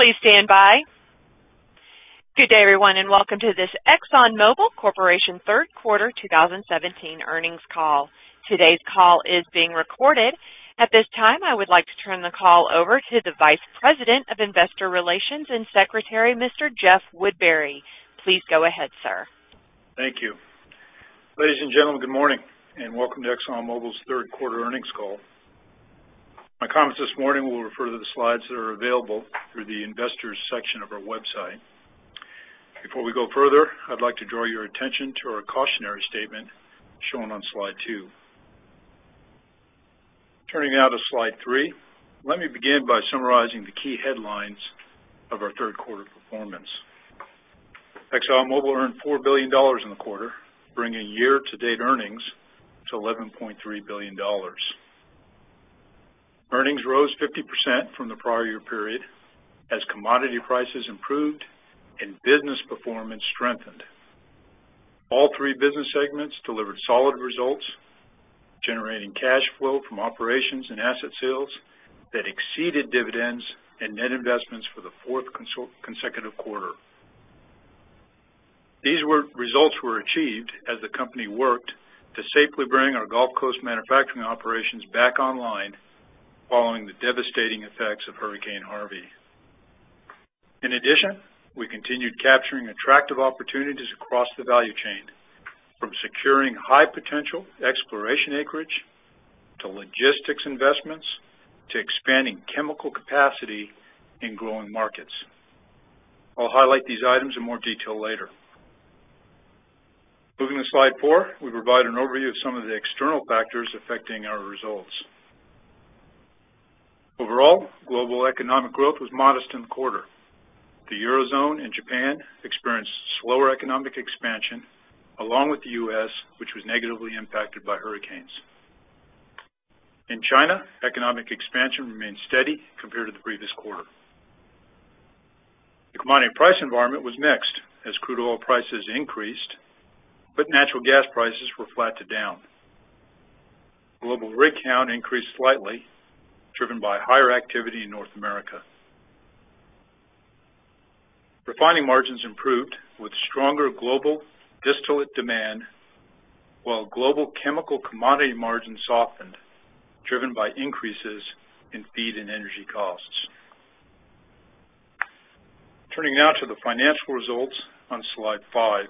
Please stand by. Good day, everyone, and welcome to this ExxonMobil Corporation third quarter 2017 earnings call. Today's call is being recorded. At this time, I would like to turn the call over to the Vice President of Investor Relations and Secretary, Mr. Jeff Woodbury. Please go ahead, sir. Thank you. Ladies and gentlemen, good morning, welcome to ExxonMobil's third quarter earnings call. My comments this morning will refer to the slides that are available through the Investors section of our website. Before we go further, I'd like to draw your attention to our cautionary statement shown on slide two. Turning now to slide three. Let me begin by summarizing the key headlines of our third quarter performance. ExxonMobil earned $4 billion in the quarter, bringing year-to-date earnings to $11.3 billion. Earnings rose 50% from the prior year period as commodity prices improved and business performance strengthened. All three business segments delivered solid results, generating cash flow from operations and asset sales that exceeded dividends and net investments for the fourth consecutive quarter. These results were achieved as the company worked to safely bring our Gulf Coast manufacturing operations back online following the devastating effects of Hurricane Harvey. In addition, we continued capturing attractive opportunities across the value chain, from securing high potential exploration acreage, to logistics investments, to expanding chemical capacity in growing markets. I'll highlight these items in more detail later. Moving to slide four, we provide an overview of some of the external factors affecting our results. Overall, global economic growth was modest in the quarter. The Eurozone and Japan experienced slower economic expansion, along with the U.S., which was negatively impacted by hurricanes. In China, economic expansion remained steady compared to the previous quarter. The commodity price environment was mixed as crude oil prices increased, natural gas prices were flat to down. Global rig count increased slightly, driven by higher activity in North America. Refining margins improved with stronger global distillate demand, while global chemical commodity margins softened, driven by increases in feed and energy costs. Turning now to the financial results on slide five.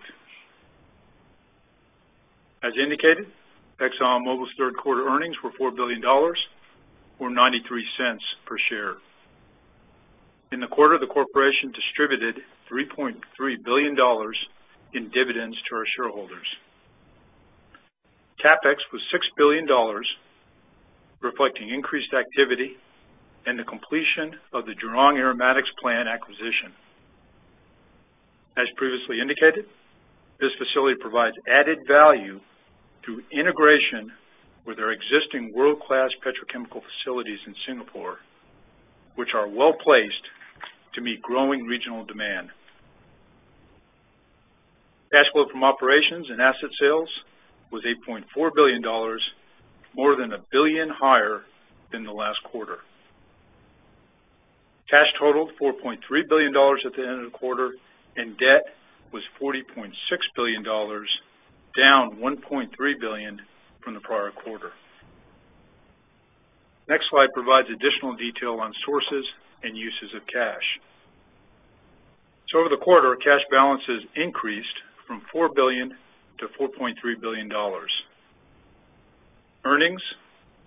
As indicated, ExxonMobil's third-quarter earnings were $4 billion or $0.93 per share. In the quarter, the corporation distributed $3.3 billion in dividends to our shareholders. CapEx was $6 billion, reflecting increased activity and the completion of the Jurong Aromatics Plant acquisition. As previously indicated, this facility provides added value through integration with our existing world-class petrochemical facilities in Singapore, which are well-placed to meet growing regional demand. Cash flow from operations and asset sales was $8.4 billion, more than a billion higher than the last quarter. Cash totaled $4.3 billion at the end of the quarter, debt was $40.6 billion, down $1.3 billion from the prior quarter. Next slide provides additional detail on sources and uses of cash. Over the quarter, cash balances increased from $4 billion to $4.3 billion. Earnings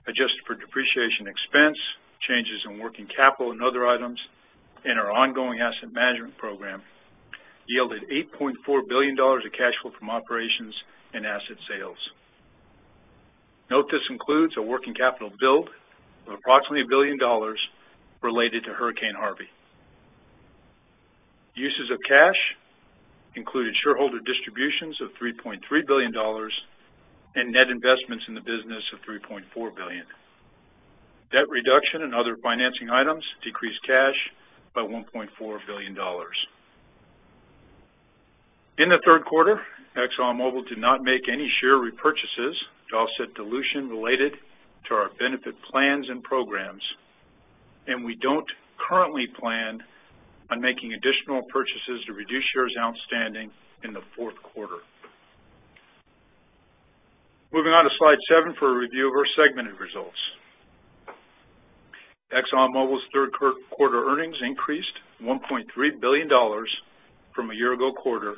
adjusted for depreciation expense, changes in working capital and other items in our ongoing asset management program yielded $8.4 billion of cash flow from operations and asset sales. Note this includes a working capital build of approximately $1 billion related to Hurricane Harvey. Uses of cash included shareholder distributions of $3.3 billion and net investments in the business of $3.4 billion. Debt reduction and other financing items decreased cash by $1.4 billion. In the third quarter, ExxonMobil did not make any share repurchases to offset dilution related to our benefit plans and programs, and we don't currently plan on making additional purchases to reduce shares outstanding in the fourth quarter. Moving on to slide seven for a review of our segmented results. ExxonMobil's third-quarter earnings increased $1.3 billion from a year-ago quarter,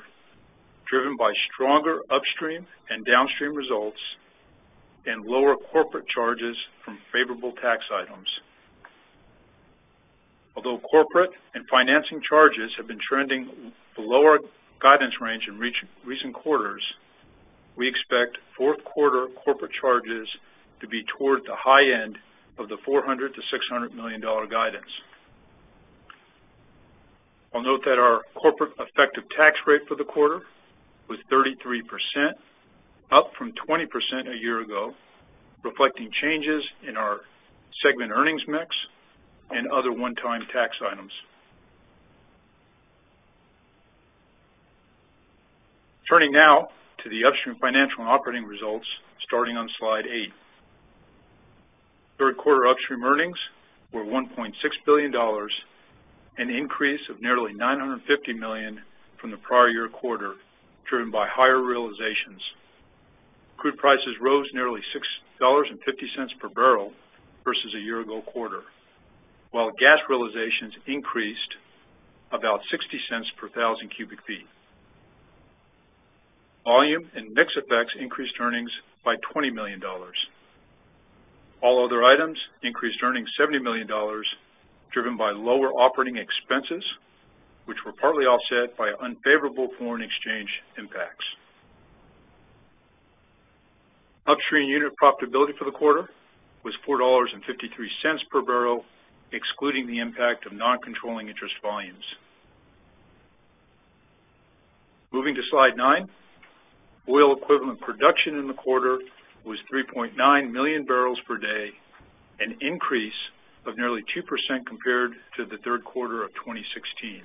driven by stronger upstream and downstream results and lower corporate charges from favorable tax items. Although corporate and financing charges have been trending below our guidance range in recent quarters, we expect fourth quarter corporate charges to be toward the high end of the $400 million-$600 million guidance. I'll note that our corporate effective tax rate for the quarter was 33%, up from 20% a year ago, reflecting changes in our segment earnings mix and other one-time tax items. Turning now to the upstream financial and operating results starting on slide eight. Third quarter upstream earnings were $1.6 billion, an increase of nearly $950 million from the prior year quarter, driven by higher realizations. Crude prices rose nearly $6.50 per barrel versus a year ago quarter, while gas realizations increased about $0.60 per thousand cubic feet. Volume and mix effects increased earnings by $20 million. All other items increased earnings $70 million driven by lower operating expenses, which were partly offset by unfavorable foreign exchange impacts. Upstream unit profitability for the quarter was $4.53 per barrel, excluding the impact of non-controlling interest volumes. Moving to slide nine. Oil equivalent production in the quarter was 3.9 million barrels per day, an increase of nearly 2% compared to the third quarter of 2016.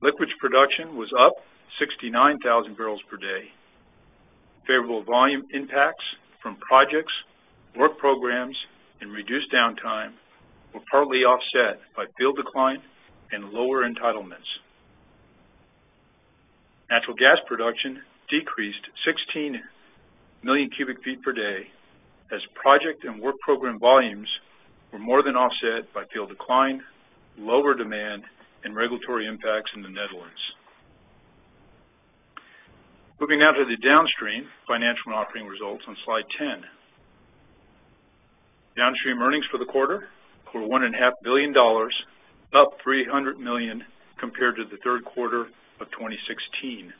Liquids production was up 69,000 barrels per day. Favorable volume impacts from projects, work programs, and reduced downtime were partly offset by field decline and lower entitlements. Natural gas production decreased 16 million cubic feet per day as project and work program volumes were more than offset by field decline, lower demand, and regulatory impacts in the Netherlands. Moving now to the downstream financial and operating results on slide ten. Downstream earnings for the quarter were $1.5 billion, up $300 million compared to the third quarter of 2016.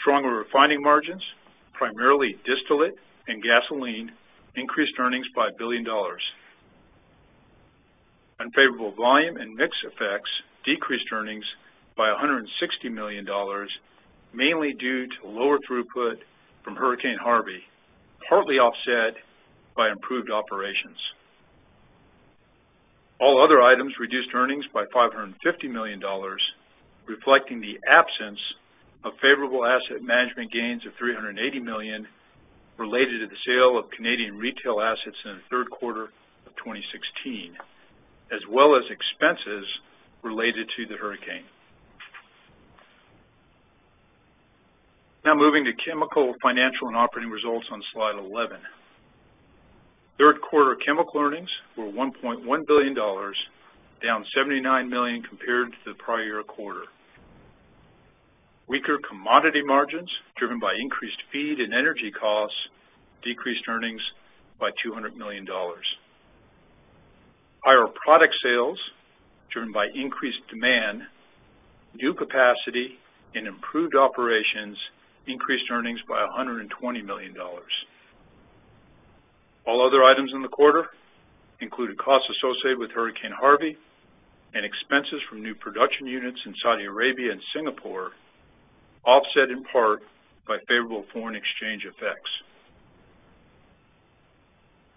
Stronger refining margins, primarily distillate and gasoline, increased earnings by $1 billion. Unfavorable volume and mix effects decreased earnings by $160 million, mainly due to lower throughput from Hurricane Harvey, partly offset by improved operations. All other items reduced earnings by $550 million, reflecting the absence of favorable asset management gains of $380 million related to the sale of Canadian retail assets in the third quarter of 2016, as well as expenses related to the hurricane. Moving to chemical financial and operating results on slide eleven. Third quarter chemical earnings were $1.1 billion, down $79 million compared to the prior year quarter. Weaker commodity margins driven by increased feed and energy costs decreased earnings by $200 million. Higher product sales driven by increased demand, new capacity, and improved operations increased earnings by $120 million. All other items in the quarter included costs associated with Hurricane Harvey and expenses from new production units in Saudi Arabia and Singapore, offset in part by favorable foreign exchange effects.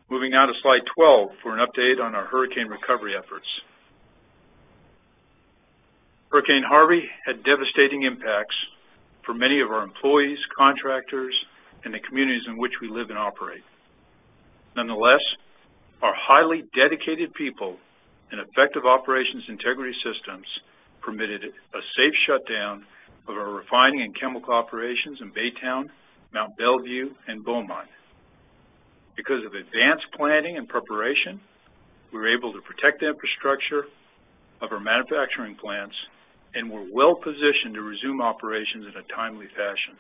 Moving now to slide 12 for an update on our hurricane recovery efforts. Hurricane Harvey had devastating impacts for many of our employees, contractors, and the communities in which we live and operate. Nonetheless, our highly dedicated people and effective operations integrity systems permitted a safe shutdown of our refining and chemical operations in Baytown, Mont Belvieu, and Beaumont. Because of advanced planning and preparation, we were able to protect the infrastructure of our manufacturing plants and were well-positioned to resume operations in a timely fashion.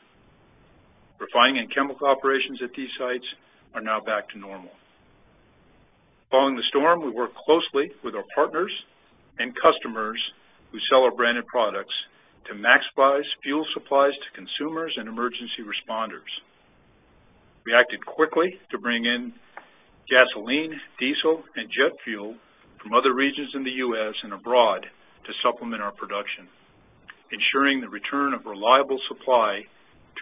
Refining and chemical operations at these sites are now back to normal. Following the storm, we worked closely with our partners and customers who sell our branded products to maximize fuel supplies to consumers and emergency responders. We acted quickly to bring in gasoline, diesel, and jet fuel from other regions in the U.S. and abroad to supplement our production, ensuring the return of reliable supply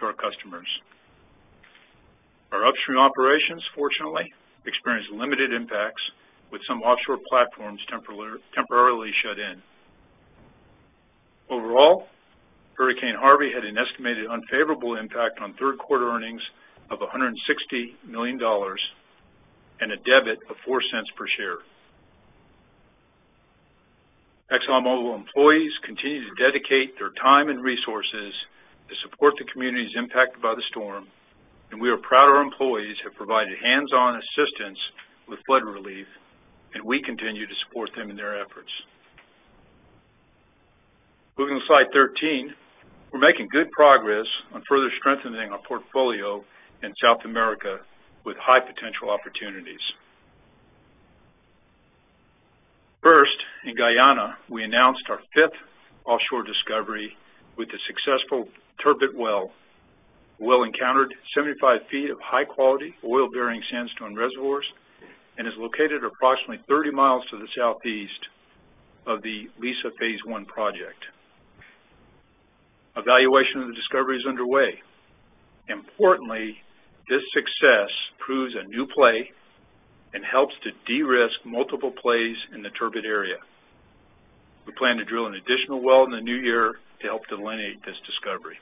to our customers. Our upstream operations, fortunately, experienced limited impacts with some offshore platforms temporarily shut in. Overall, Hurricane Harvey had an estimated unfavorable impact on third quarter earnings of $160 million and a debit of $0.04 per share. ExxonMobil employees continue to dedicate their time and resources to support the communities impacted by the storm, and we are proud our employees have provided hands-on assistance with flood relief, and we continue to support them in their efforts. Moving to slide 13. We're making good progress on further strengthening our portfolio in South America with high potential opportunities. First, in Guyana, we announced our fifth offshore discovery with the successful Turbot well. The well encountered 75 feet of high-quality oil-bearing sandstone reservoirs and is located approximately 30 miles to the southeast of the Liza Phase 1 project. Evaluation of the discovery is underway. Importantly, this success proves a new play De-risk multiple plays in the Turbot area. We plan to drill an additional well in the new year to help delineate this discovery.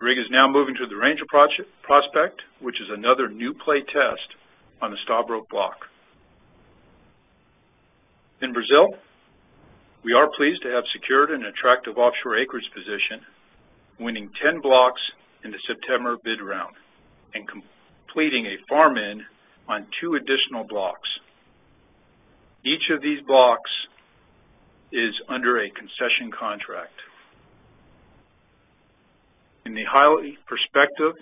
Rig is now moving to the Ranger prospect, which is another new play test on the Stabroek Block. In Brazil, we are pleased to have secured an attractive offshore acreage position, winning 10 blocks in the September bid round and completing a farm-in on two additional blocks. Each of these blocks is under a concession contract. In the highly prospective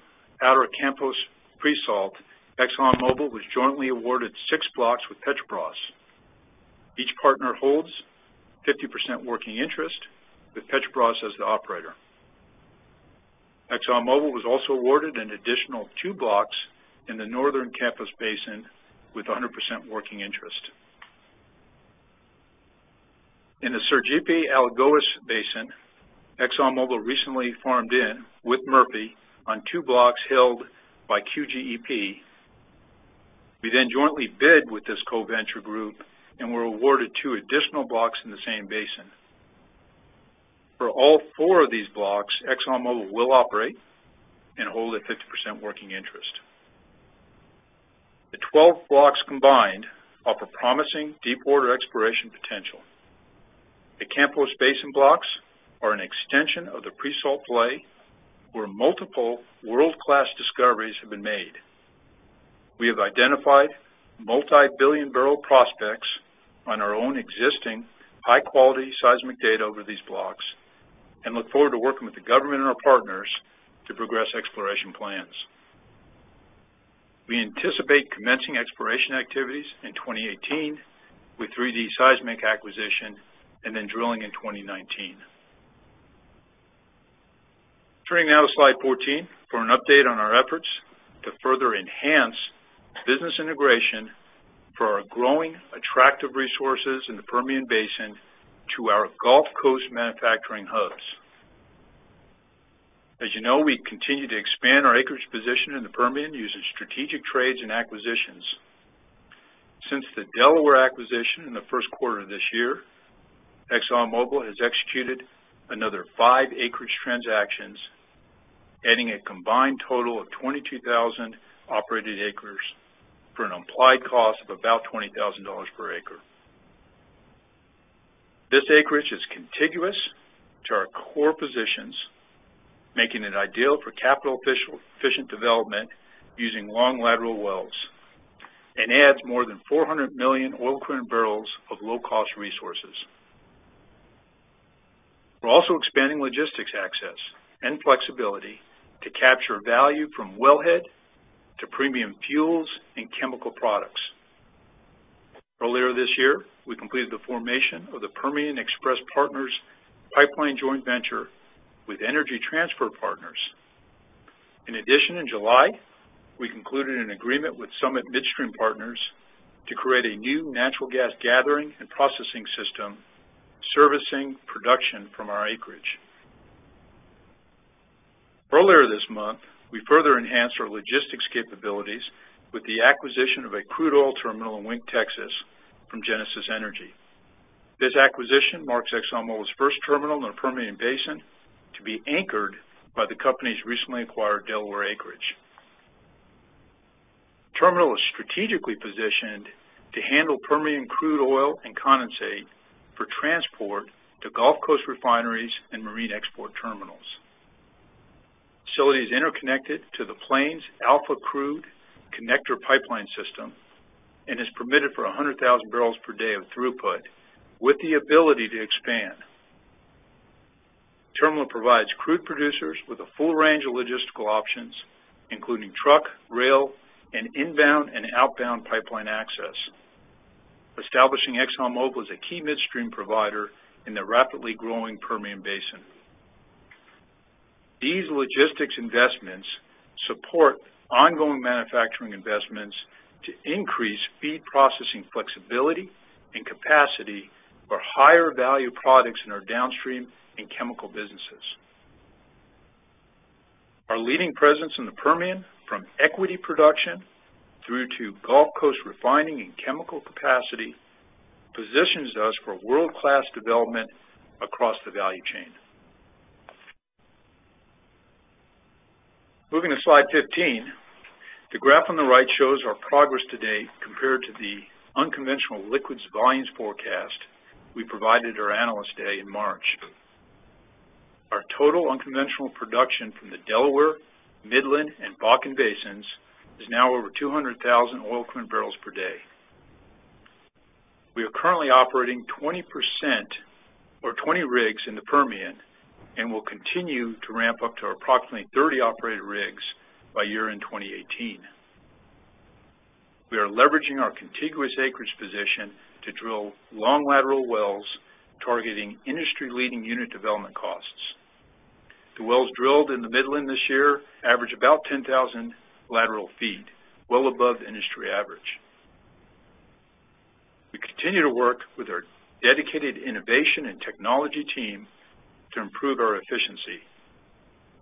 outer Campos pre-salt, ExxonMobil was jointly awarded six blocks with Petrobras. Each partner holds 50% working interest, with Petrobras as the operator. ExxonMobil was also awarded an additional two blocks in the Northern Campos Basin with 100% working interest. In the Sergipe-Alagoas Basin, ExxonMobil recently farmed in with Murphy on two blocks held by QGEP. We then jointly bid with this co-venture group and were awarded two additional blocks in the same basin. For all four of these blocks, ExxonMobil will operate and hold a 50% working interest. The 12 blocks combined offer promising deepwater exploration potential. The Campos Basin blocks are an extension of the pre-salt play where multiple world-class discoveries have been made. We have identified multi-billion barrel prospects on our own existing high-quality seismic data over these blocks and look forward to working with the government and our partners to progress exploration plans. We anticipate commencing exploration activities in 2018 with 3D seismic acquisition, then drilling in 2019. Turning now to slide 14 for an update on our efforts to further enhance business integration for our growing attractive resources in the Permian Basin to our Gulf Coast manufacturing hubs. As you know, we continue to expand our acreage position in the Permian using strategic trades and acquisitions. Since the Delaware acquisition in the first quarter of this year, ExxonMobil has executed another five acreage transactions, adding a combined total of 22,000 operated acres for an implied cost of about $20,000 per acre. This acreage is contiguous to our core positions, making it ideal for capital efficient development using long lateral wells and adds more than 400 million oil equivalent barrels of low-cost resources. We are also expanding logistics access and flexibility to capture value from wellhead to premium fuels and chemical products. Earlier this year, we completed the formation of the Permian Express Partners pipeline joint venture with Energy Transfer Partners. In addition, in July, we concluded an agreement with Summit Midstream Partners to create a new natural gas gathering and processing system servicing production from our acreage. Earlier this month, we further enhanced our logistics capabilities with the acquisition of a crude oil terminal in Wink, Texas from Genesis Energy. This acquisition marks ExxonMobil's first terminal in the Permian Basin to be anchored by the company's recently acquired Delaware acreage. The terminal is strategically positioned to handle Permian crude oil and condensate for transport to Gulf Coast refineries and marine export terminals. The facility is interconnected to the Plains Alpha Crude Connector pipeline system and is permitted for 100,000 barrels per day of throughput with the ability to expand. The terminal provides crude producers with a full range of logistical options, including truck, rail, and inbound and outbound pipeline access, establishing ExxonMobil as a key midstream provider in the rapidly growing Permian Basin. These logistics investments support ongoing manufacturing investments to increase feed processing flexibility and capacity for higher value products in our downstream and chemical businesses. Our leading presence in the Permian from equity production through to Gulf Coast refining and chemical capacity positions us for world-class development across the value chain. Moving to slide 15, the graph on the right shows our progress to date compared to the unconventional liquids volumes forecast we provided at our Analyst Day in March. Our total unconventional production from the Delaware, Midland, and Bakken basins is now over 200,000 oil equivalent barrels per day. We are currently operating 20% or 20 rigs in the Permian and will continue to ramp up to approximately 30 operated rigs by year-end 2018. We are leveraging our contiguous acreage position to drill long lateral wells targeting industry-leading unit development costs. The wells drilled in the Midland this year average about 10,000 lateral feet, well above the industry average. We continue to work with our dedicated innovation and technology team to improve our efficiency.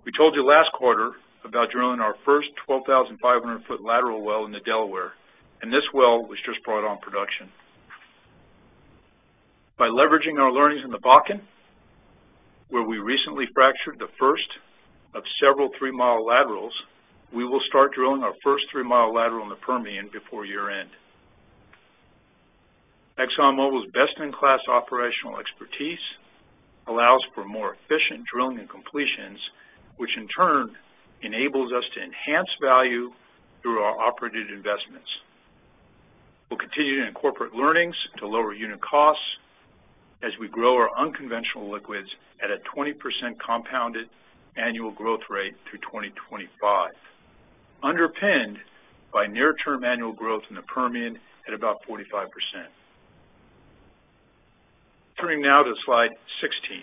We told you last quarter about drilling our first 12,500-foot lateral well in the Delaware, and this well was just brought on production. By leveraging our learnings in the Bakken, where we recently fractured the first of several three-mile laterals, we will start drilling our first three-mile lateral in the Permian before year-end. ExxonMobil's best-in-class operational expertise allows for more efficient drilling and completions, which in turn enables us to enhance value through our operated investments. We'll continue to incorporate learnings to lower unit costs as we grow our unconventional liquids at a 20% compounded annual growth rate through 2025, underpinned by near-term annual growth in the Permian at about 45%. Turning now to slide 16.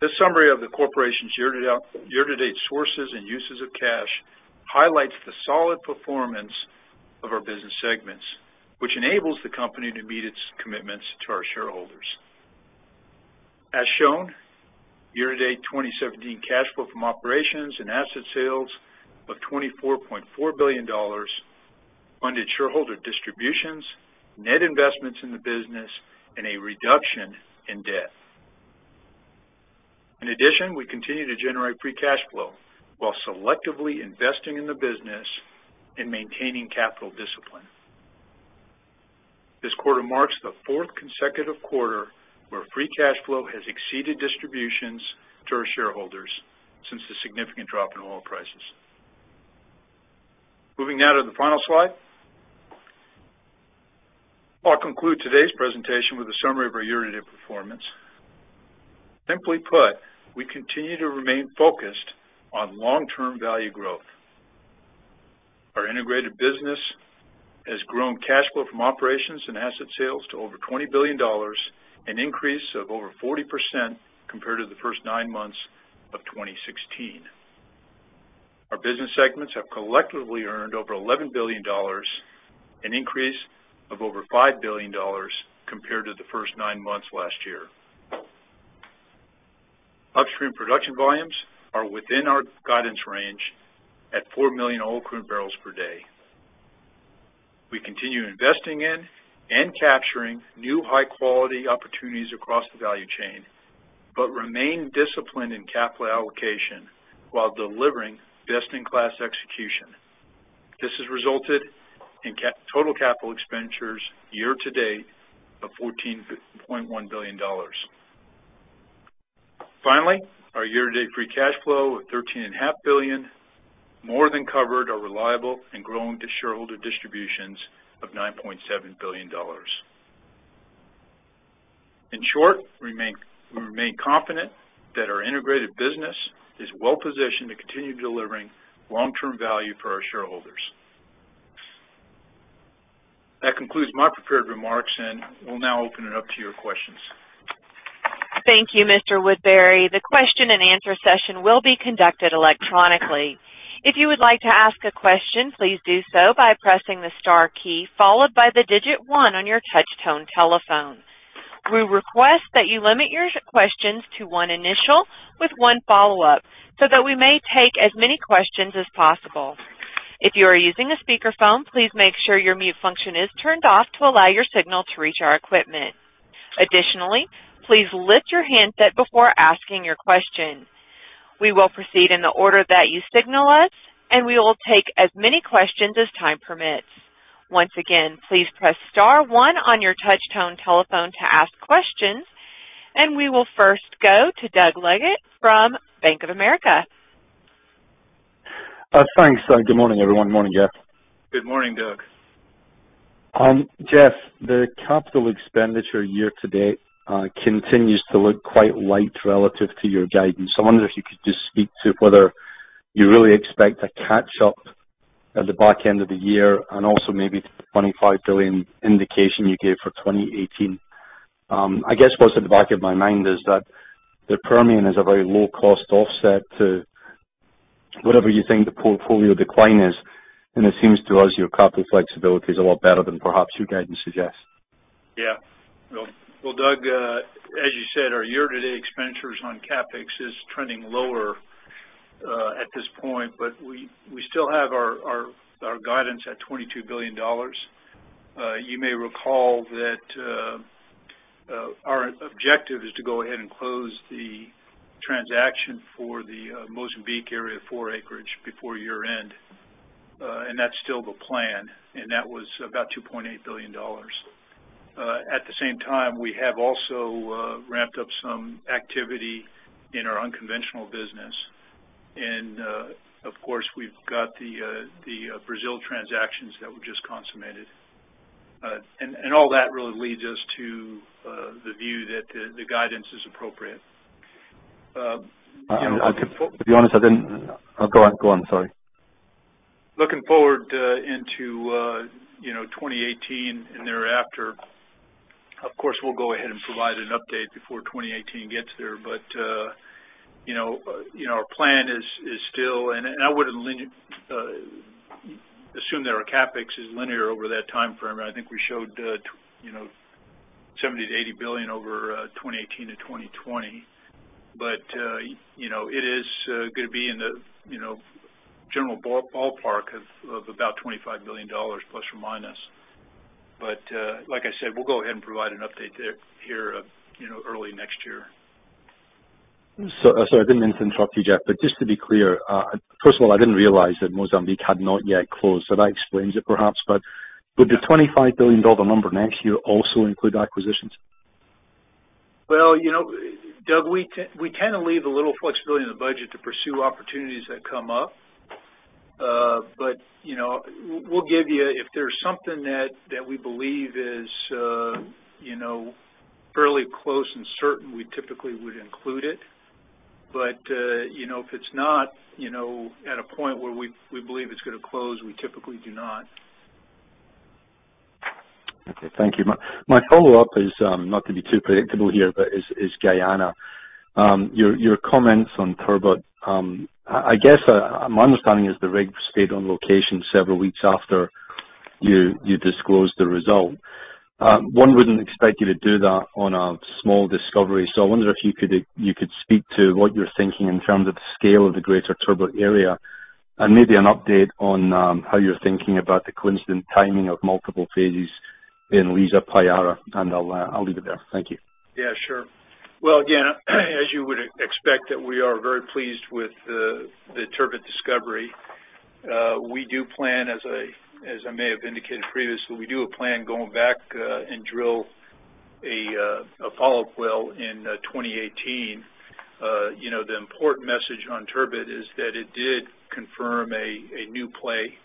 This summary of the corporation's year-to-date sources and uses of cash highlights the solid performance of our business segments, which enables the company to meet its commitments to our shareholders. As shown, year-to-date 2017 cash flow from operations and asset sales of $24.4 billion funded shareholder distributions, net investments in the business, and a reduction in debt. In addition, we continue to generate free cash flow while selectively investing in the business and maintaining capital discipline. This quarter marks the fourth consecutive quarter where free cash flow has exceeded distributions to our shareholders since the significant drop in oil prices. Moving now to the final slide. I'll conclude today's presentation with a summary of our year-to-date performance. Simply put, we continue to remain focused on long-term value growth. Our integrated business has grown cash flow from operations and asset sales to over $20 billion, an increase of over 40% compared to the first nine months of 2016. Our business segments have collectively earned over $11 billion, an increase of over $5 billion compared to the first nine months last year. Upstream production volumes are within our guidance range at 4 million oil equivalent barrels per day. We continue investing in and capturing new high-quality opportunities across the value chain, but remain disciplined in capital allocation while delivering best-in-class execution. This has resulted in total capital expenditures year to date of $14.1 billion. Finally, our year-to-date free cash flow of $13.5 billion more than covered our reliable and growing shareholder distributions of $9.7 billion. In short, we remain confident that our integrated business is well positioned to continue delivering long-term value for our shareholders. That concludes my prepared remarks, and we'll now open it up to your questions. Thank you, Mr. Woodbury. The question and answer session will be conducted electronically. If you would like to ask a question, please do so by pressing the star key followed by the digit one on your touch-tone telephone. We request that you limit your questions to one initial with one follow-up so that we may take as many questions as possible. If you are using a speakerphone, please make sure your mute function is turned off to allow your signal to reach our equipment. Additionally, please lift your handset before asking your question. We will proceed in the order that you signal us, and we will take as many questions as time permits. Once again, please press star one on your touch-tone telephone to ask questions, and we will first go to Doug Leggate from Bank of America. Thanks. Good morning, everyone. Morning, Jeff. Good morning, Doug. Jeff, the capital expenditure year-to-date continues to look quite light relative to your guidance. I wonder if you could just speak to whether you really expect to catch up at the back end of the year and also maybe the $25 billion indication you gave for 2018. I guess what's at the back of my mind is that the Permian is a very low-cost offset to whatever you think the portfolio decline is. It seems to us your capital flexibility is a lot better than perhaps your guidance suggests. Yeah. Well, Doug, as you said, our year-to-date expenditures on CapEx is trending lower at this point. We still have our guidance at $22 billion. You may recall that our objective is to go ahead and close the transaction for the Mozambique Area 4 acreage before year-end. That's still the plan, and that was about $2.8 billion. At the same time, we have also ramped up some activity in our unconventional business. Of course, we've got the Brazil transactions that were just consummated. All that really leads us to the view that the guidance is appropriate. To be honest, I didn't. Sorry. Looking forward into 2018 and thereafter. Of course, we'll go ahead and provide an update before 2018 gets there. Our plan is still, and I would assume that our CapEx is linear over that timeframe. I think we showed $70 billion-$80 billion over 2018 to 2020. It is going to be in the general ballpark of about $25 billion ±. Like I said, we'll go ahead and provide an update here early next year. Sorry, I didn't mean to interrupt you, Jeff. Just to be clear, first of all, I didn't realize that Mozambique had not yet closed. That explains it, perhaps. Would the $25 billion number next year also include acquisitions? Well, Doug, we tend to leave a little flexibility in the budget to pursue opportunities that come up. We'll give you, if there's something that we believe is fairly close and certain, we typically would include it. If it's not at a point where we believe it's going to close, we typically do not. Okay. Thank you. My follow-up is, not to be too predictable here, but is Guyana. Your comments on Turbot. I guess my understanding is the rig stayed on location several weeks after you disclosed the result. One wouldn't expect you to do that on a small discovery. I wonder if you could speak to what you're thinking in terms of the scale of the greater Turbot area, and maybe an update on how you're thinking about the coincident timing of multiple phases in Liza-Payara, and I'll leave it there. Thank you. Yeah, sure. Again, as you would expect that we are very pleased with the Turbot discovery. We do plan, as I may have indicated previously, we do plan going back and drill a follow-up well in 2018. The important message on Turbot is that it did confirm a new play,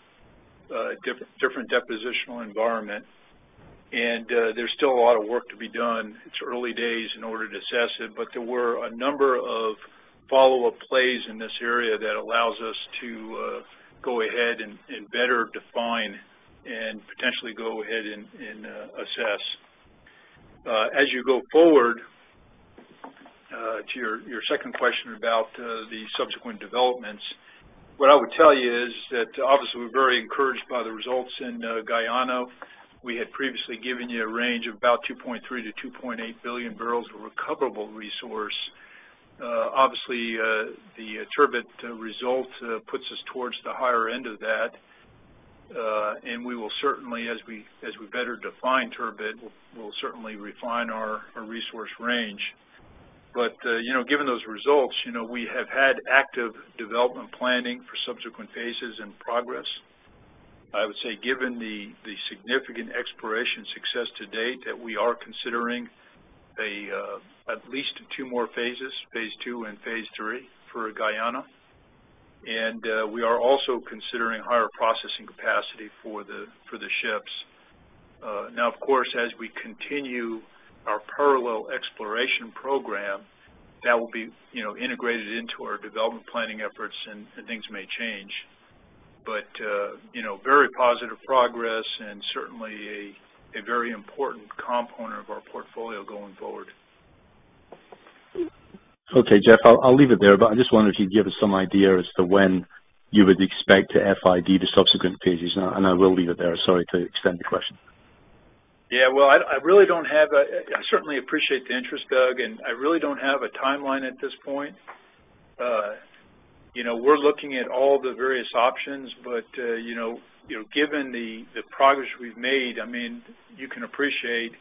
a different depositional environment, and there's still a lot of work to be done. It's early days in order to assess it. There were a number of follow-up plays in this area that allows us to go ahead and better define and potentially go ahead and assess. As you go forward to your second question about the subsequent developments, what I would tell you is that obviously we're very encouraged by the results in Guyana. We had previously given you a range of about 2.3 to 2.8 billion barrels of recoverable resource. Obviously, the Turbot result puts us towards the higher end of that. We will certainly, as we better define Turbot, we'll certainly refine our resource range. Given those results, we have had active development planning for subsequent phases in progress. I would say given the significant exploration success to date that we are considering at least 2 more phases, phase 2 and phase 3 for Guyana. We are also considering higher processing capacity for the ships. Now, of course, as we continue our parallel exploration program, that will be integrated into our development planning efforts, and things may change. Very positive progress and certainly a very important component of our portfolio going forward. Okay, Jeff, I'll leave it there, but I just wonder if you'd give us some idea as to when you would expect to FID the subsequent phases, and I will leave it there. Sorry to extend the question. Yeah. I certainly appreciate the interest, Doug, I really don't have a timeline at this point. We're looking at all the various options, but given the progress we've made, you can appreciate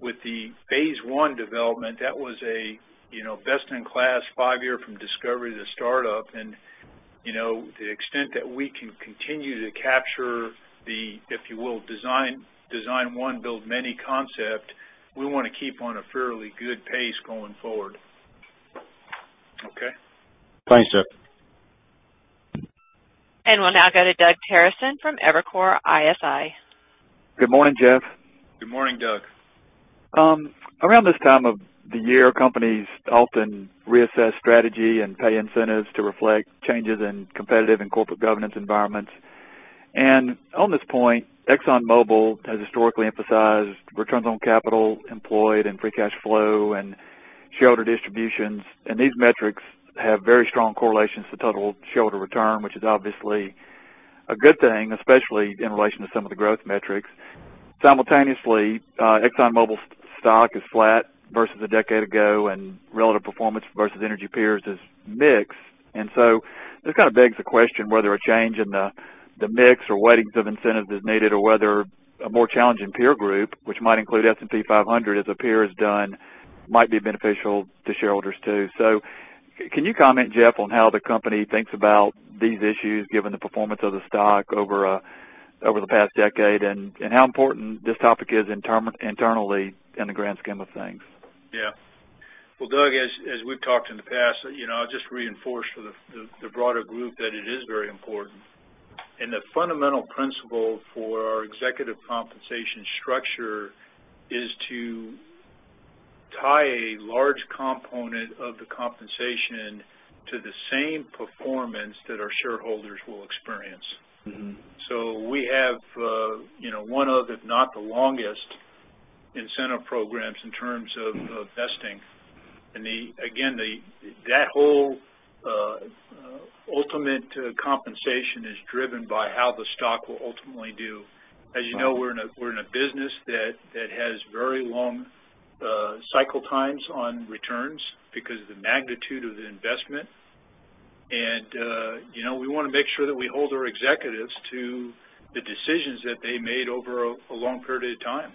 with the phase one development, that was a best-in-class five-year from discovery to startup. The extent that we can continue to capture the, if you will, design one, build many concept, we want to keep on a fairly good pace going forward. Okay? Thanks, Jeff. We'll now go to Doug Terreson from Evercore ISI. Good morning, Jeff. Good morning, Doug. Around this time of the year, companies often reassess strategy and pay incentives to reflect changes in competitive and corporate governance environments. On this point, ExxonMobil has historically emphasized returns on capital employed and free cash flow and shareholder distributions. These metrics have very strong correlations to total shareholder return, which is obviously a good thing, especially in relation to some of the growth metrics. Simultaneously, ExxonMobil stock is flat versus a decade ago, and relative performance versus energy peers is mixed. This kind of begs the question whether a change in the mix or weightings of incentives is needed or whether a more challenging peer group, which might include S&P 500 as a peer has done, might be beneficial to shareholders, too. Can you comment, Jeff, on how the company thinks about these issues given the performance of the stock over the past decade and how important this topic is internally in the grand scheme of things? Yeah. Well, Doug, as we've talked in the past, I'll just reinforce for the broader group that it is very important. The fundamental principle for our executive compensation structure is to tie a large component of the compensation to the same performance that our shareholders will experience. We have one of, if not the longest, incentive programs in terms of vesting. Again, that whole ultimate compensation is driven by how the stock will ultimately do. As you know, we're in a business that has very long cycle times on returns because of the magnitude of the investment. We want to make sure that we hold our executives to the decisions that they made over a long period of time.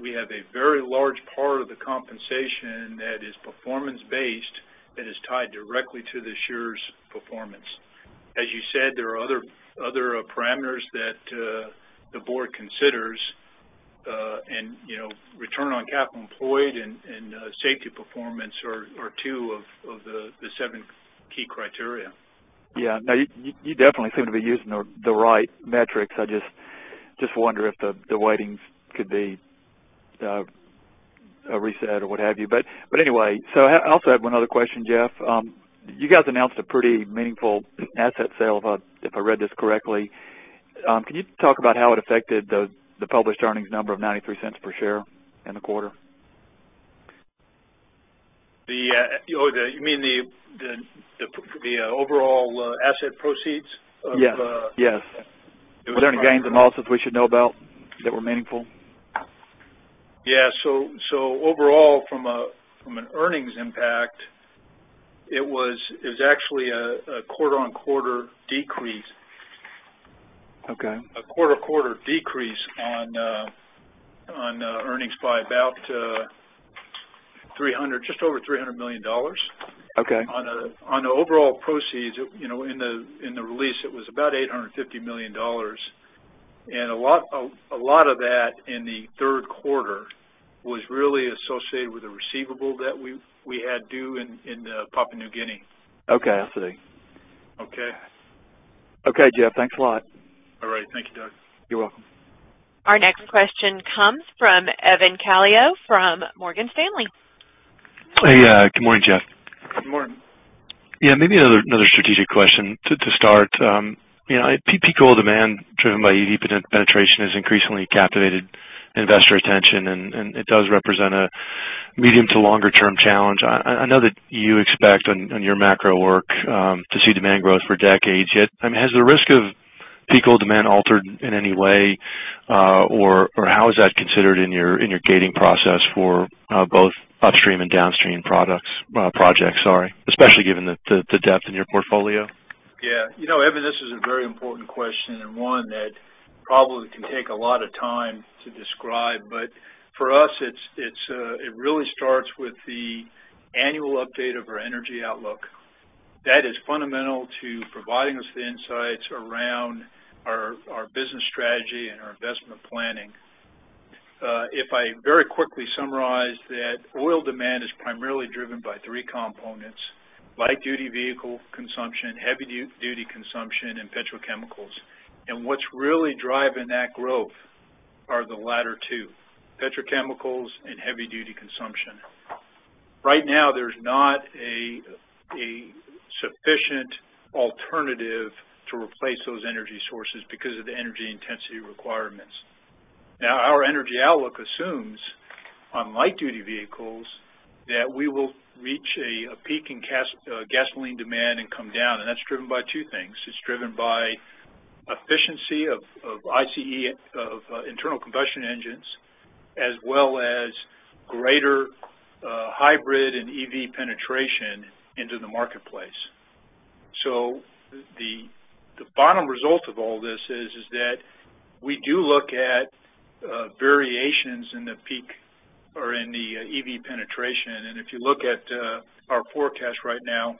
We have a very large part of the compensation that is performance-based that is tied directly to the share's performance. As you said, there are other parameters that the board considers. Return on capital employed and safety performance are two of the seven key criteria. Yeah. No, you definitely seem to be using the right metrics. I just wonder if the weightings could be reset or what have you. Anyway, I also have one other question, Jeff. You guys announced a pretty meaningful asset sale, if I read this correctly. Can you talk about how it affected the published earnings number of $0.93 per share in the quarter? You mean the overall asset proceeds of the Yes. Yes. It was- Were there any gains and losses we should know about that were meaningful? Overall from an earnings impact, it was actually a quarter-on-quarter decrease. Okay. A quarter-on-quarter decrease on earnings by about just over $300 million. Okay. On the overall proceeds in the release, it was about $850 million. A lot of that in the third quarter was really associated with the receivable that we had due in Papua New Guinea. Okay. I see. Okay. Okay, Jeff. Thanks a lot. All right. Thank you, Doug. You're welcome. Our next question comes from Evan Calio from Morgan Stanley. Hey. Good morning, Jeff. Good morning. Yeah. Maybe another strategic question to start. Peak oil demand driven by EV penetration has increasingly captivated investor attention, and it does represent a medium to longer term challenge. I know that you expect, on your macro work, to see demand growth for decades yet. Has the risk of peak oil demand altered in any way? How is that considered in your gating process for both upstream and downstream products, projects, sorry. Especially given the depth in your portfolio? Yeah. Evan, this is a very important question and one that probably can take a lot of time to describe, but for us, it really starts with the annual update of our energy outlook. That is fundamental to providing us the insights around our business strategy and our investment planning. If I very quickly summarize that oil demand is primarily driven by three components, light-duty vehicle consumption, heavy-duty consumption, and petrochemicals. What's really driving that growth are the latter two, petrochemicals and heavy-duty consumption. Right now, there's not a sufficient alternative to replace those energy sources because of the energy intensity requirements. Now, our energy outlook assumes on light-duty vehicles that we will reach a peak in gasoline demand and come down, and that's driven by two things. It's driven by efficiency of ICE, of internal combustion engines, as well as greater hybrid and EV penetration into the marketplace. The bottom result of all this is that we do look at variations in the peak or in the EV penetration, and if you look at our forecast right now,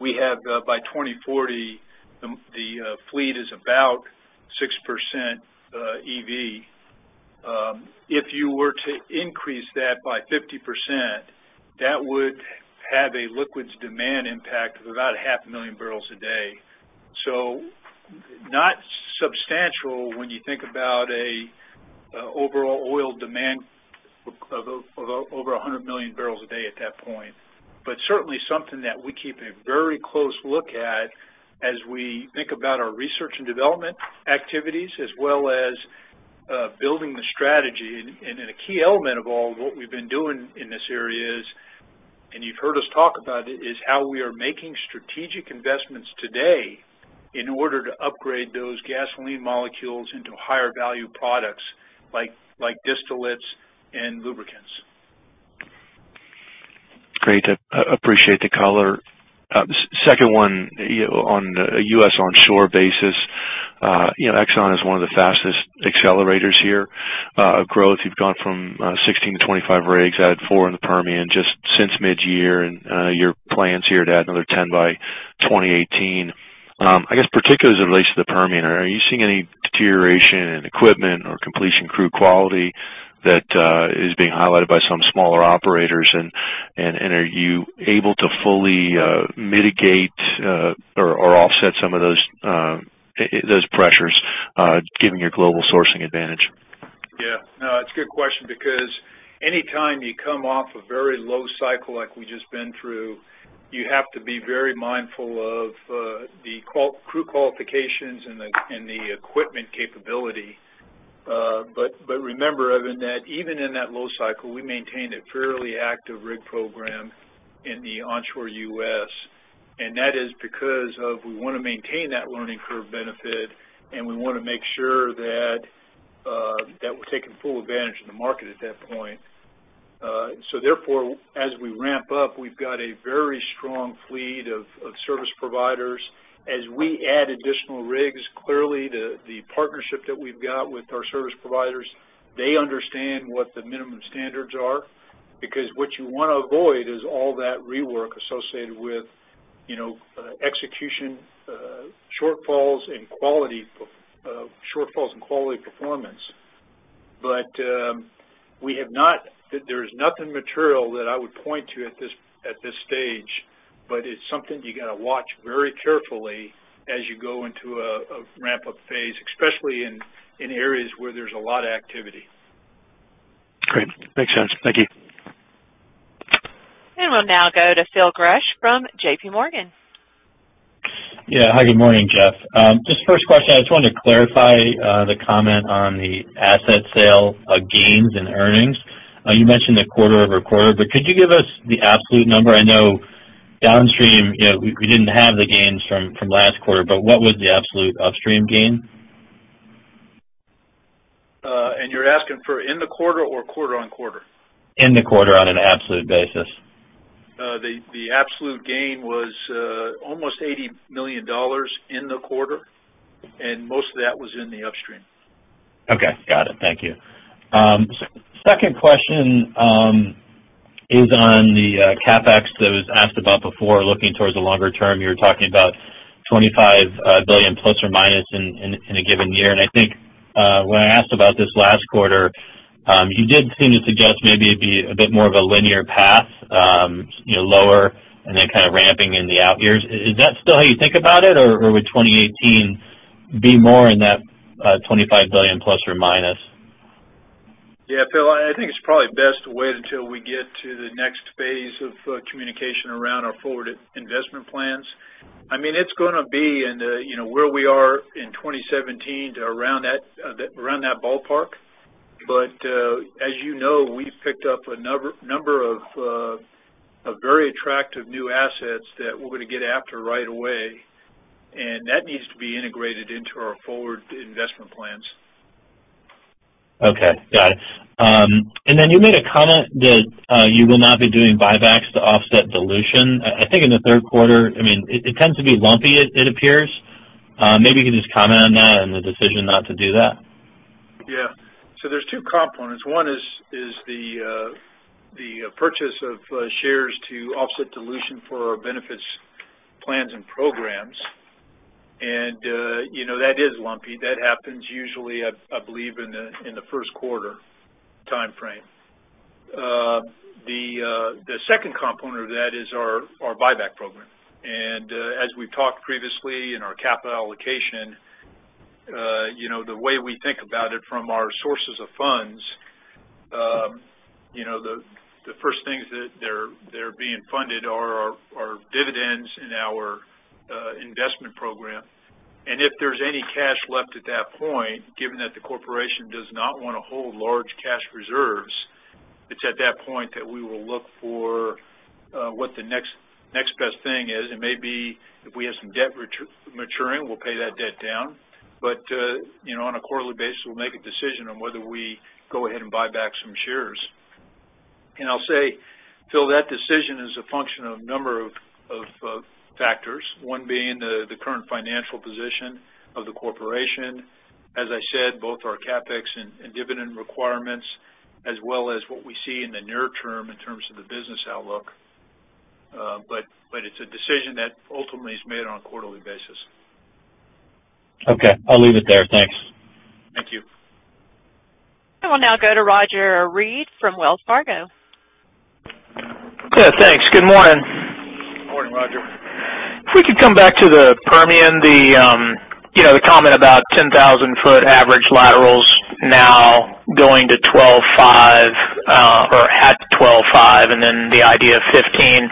we have, by 2040, the fleet is about 6% EV. If you were to increase that by 50%, that would have a liquids demand impact of about half a million barrels a day. Not substantial when you think about a overall oil demand of over 100 million barrels a day at that point. Certainly something that we keep a very close look at as we think about our research and development activities, as well as building the strategy. A key element of all what we've been doing in this area is, and you've heard us talk about it, is how we are making strategic investments today in order to upgrade those gasoline molecules into higher value products like distillates and lubricants. Great. I appreciate the color. Second one. On a U.S. onshore basis. Exxon is one of the fastest accelerators here of growth. You've gone from 16 to 25 rigs, added four in the Permian just since mid-year, your plan's here to add another 10 by 2018. I guess particularly as it relates to the Permian, are you seeing any deterioration in equipment or completion crew quality that is being highlighted by some smaller operators? Are you able to fully mitigate or offset some of those pressures? Given your global sourcing advantage. Yeah. No, it's a good question because anytime you come off a very low cycle like we've just been through, you have to be very mindful of the crew qualifications and the equipment capability. Remember, Evan, that even in that low cycle, we maintained a fairly active rig program in the onshore U.S., and that is because of we want to maintain that learning curve benefit, and we want to make sure that we're taking full advantage of the market at that point. Therefore, as we ramp up, we've got a very strong fleet of service providers. As we add additional rigs, clearly the partnership that we've got with our service providers, they understand what the minimum standards are. What you want to avoid is all that rework associated with execution shortfalls and quality shortfalls and quality performance. There is nothing material that I would point to at this stage, but it's something you got to watch very carefully as you go into a ramp-up phase, especially in areas where there's a lot of activity. Great. Makes sense. Thank you. We'll now go to Phil Gresh from JPMorgan. Yeah. Hi, good morning, Jeff. Just first question, I just wanted to clarify the comment on the asset sale gains and earnings. You mentioned the quarter-over-quarter, but could you give us the absolute number? I know downstream, we didn't have the gains from last quarter, but what was the absolute upstream gain? You're asking for in the quarter or quarter-on-quarter? In the quarter on an absolute basis. The absolute gain was almost $80 million in the quarter. Most of that was in the upstream. Okay. Got it. Thank you. Second question is on the CapEx that was asked about before, looking towards the longer term. You were talking about $25 billion ± in a given year. I think when I asked about this last quarter, you did seem to suggest maybe it'd be a bit more of a linear path, lower and then kind of ramping in the out years. Is that still how you think about it, or would 2018 be more in that $25 billion ±? Yeah, Phil, I think it's probably best to wait until we get to the next phase of communication around our forward investment plans. It's going to be in where we are in 2017 to around that ballpark. As you know, we've picked up a number of very attractive new assets that we're going to get after right away. That needs to be integrated into our forward investment plans. Okay. Got it. You made a comment that you will not be doing buybacks to offset dilution. I think in the third quarter, it tends to be lumpy, it appears. Maybe you can just comment on that and the decision not to do that. Yeah. There's two components. One is the purchase of shares to offset dilution for our benefits plans and programs, and that is lumpy. That happens usually, I believe, in the first quarter timeframe. The second component of that is our buyback program. As we've talked previously in our capital allocation, the way we think about it from our sources of funds, the first things that they're being funded are our dividends and our investment program. If there's any cash left at that point, given that the corporation does not want to hold large cash reserves, it's at that point that we will look for what the next best thing is. It may be if we have some debt maturing, we'll pay that debt down. On a quarterly basis, we'll make a decision on whether we go ahead and buy back some shares. I'll say, Phil, that decision is a function of number of factors. One being the current financial position of the corporation. As I said, both our CapEx and dividend requirements, as well as what we see in the near term in terms of the business outlook. It's a decision that ultimately is made on a quarterly basis. Okay. I'll leave it there. Thanks. Thank you. I will now go to Roger Read from Wells Fargo. Yeah, thanks. Good morning. Good morning, Roger. If we could come back to the Permian, the comment about 10,000 foot average laterals now going to 12.5 or at 12.5, then the idea of 15.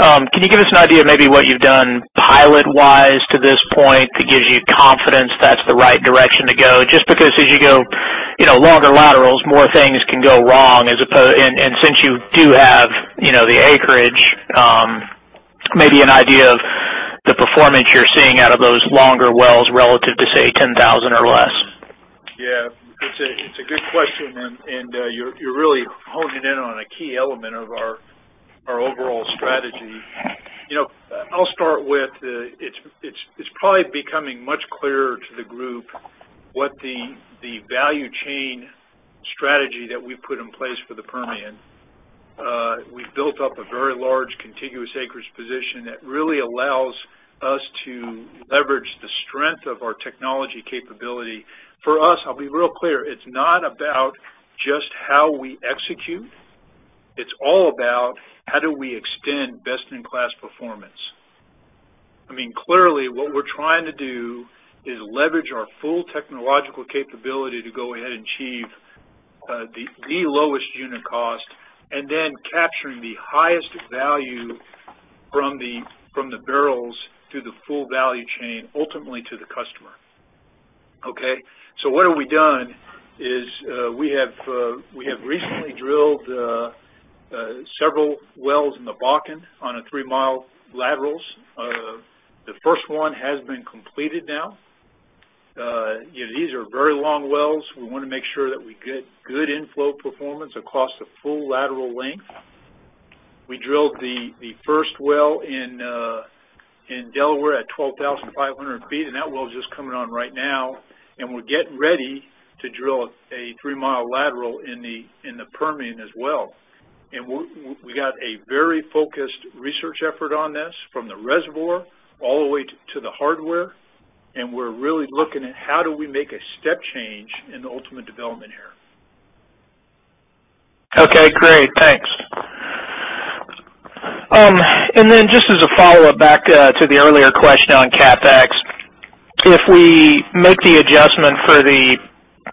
Can you give us an idea of maybe what you've done pilot-wise to this point that gives you confidence that's the right direction to go? Just because as you go longer laterals, more things can go wrong. Since you do have the acreage, maybe an idea of the performance you're seeing out of those longer wells relative to, say, 10,000 or less. Yeah. It's a good question. You're really honing in on a key element of our overall strategy. I'll start with, it's probably becoming much clearer to the group what the value chain strategy that we've put in place for the Permian. We've built up a very large contiguous acreage position that really allows us to leverage the strength of our technology capability. For us, I'll be real clear, it's not about just how we execute. It's all about how do we extend best-in-class performance. Clearly, what we're trying to do is leverage our full technological capability to go ahead and achieve the lowest unit cost, and then capturing the highest value from the barrels through the full value chain, ultimately to the customer. Okay? What have we done is, we have recently drilled several wells in the Bakken on a three-mile laterals. The first one has been completed now. These are very long wells. We want to make sure that we get good inflow performance across the full lateral length. We drilled the first well in Delaware at 12,500 feet. That well's just coming on right now, and we're getting ready to drill a three-mile lateral in the Permian as well. We got a very focused research effort on this from the reservoir all the way to the hardware, and we're really looking at how do we make a step change in the ultimate development here. Okay, great. Thanks. Just as a follow-up back to the earlier question on CapEx, if we make the adjustment for the,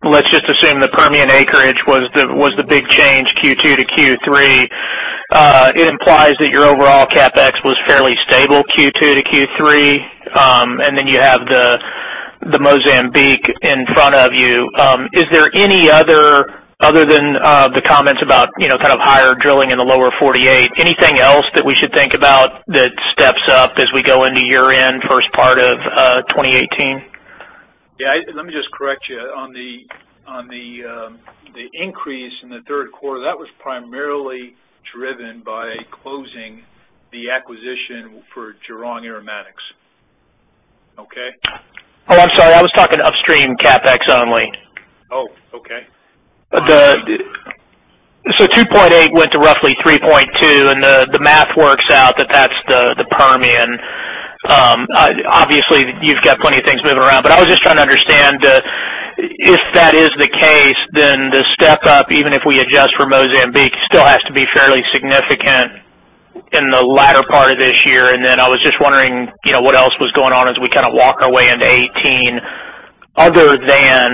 let's just assume the Permian acreage was the big change Q2 to Q3, it implies that your overall CapEx was fairly stable Q2 to Q3, and then you have the Mozambique in front of you. Is there any other than the comments about higher drilling in the lower 48, anything else that we should think about that steps up as we go into year-end, first part of 2018? Yeah, let me just correct you. On the increase in the third quarter, that was primarily driven by closing the acquisition for Jurong Aromatics. Okay? Oh, I'm sorry. I was talking upstream CapEx only. Oh, okay. $2.8 went to roughly $3.2, and the math works out that that's the Permian. Obviously, you've got plenty of things moving around, but I was just trying to understand, if that is the case, then the step-up, even if we adjust for Mozambique, still has to be fairly significant in the latter part of this year. I was just wondering what else was going on as we walk our way into 2018 other than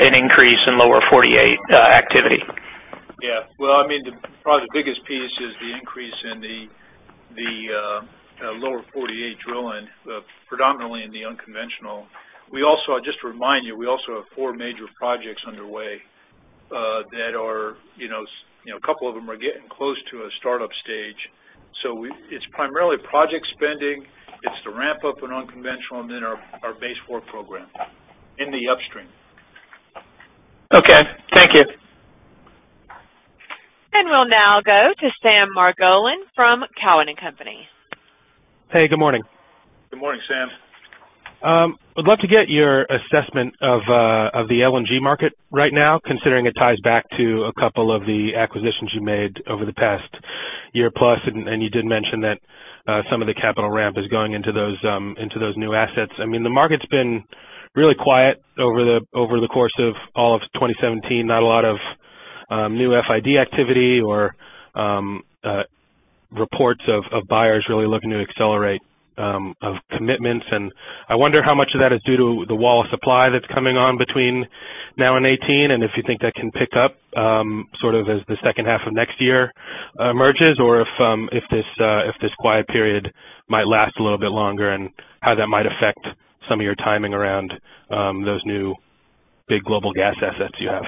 an increase in lower 48 activity. Yeah. Well, probably the biggest piece is the increase in the lower 48 drilling, predominantly in the unconventional. Just to remind you, we also have four major projects underway that a couple of them are getting close to a startup stage. It's primarily project spending, it's the ramp-up in unconventional, and then our base four program in the upstream. Okay. Thank you. We'll now go to Sam Margolin from Cowen and Company. Hey, good morning. Good morning, Sam. Would love to get your assessment of the LNG market right now, considering it ties back to a couple of the acquisitions you made over the past year plus, and you did mention that some of the capital ramp is going into those new assets. The market's been really quiet over the course of all of 2017. Not a lot of new FID activity or reports of buyers really looking to accelerate of commitments. I wonder how much of that is due to the wall of supply that's coming on between now and 2018, and if you think that can pick up as the second half of next year emerges, or if this quiet period might last a little bit longer, and how that might affect some of your timing around those new big global gas assets you have.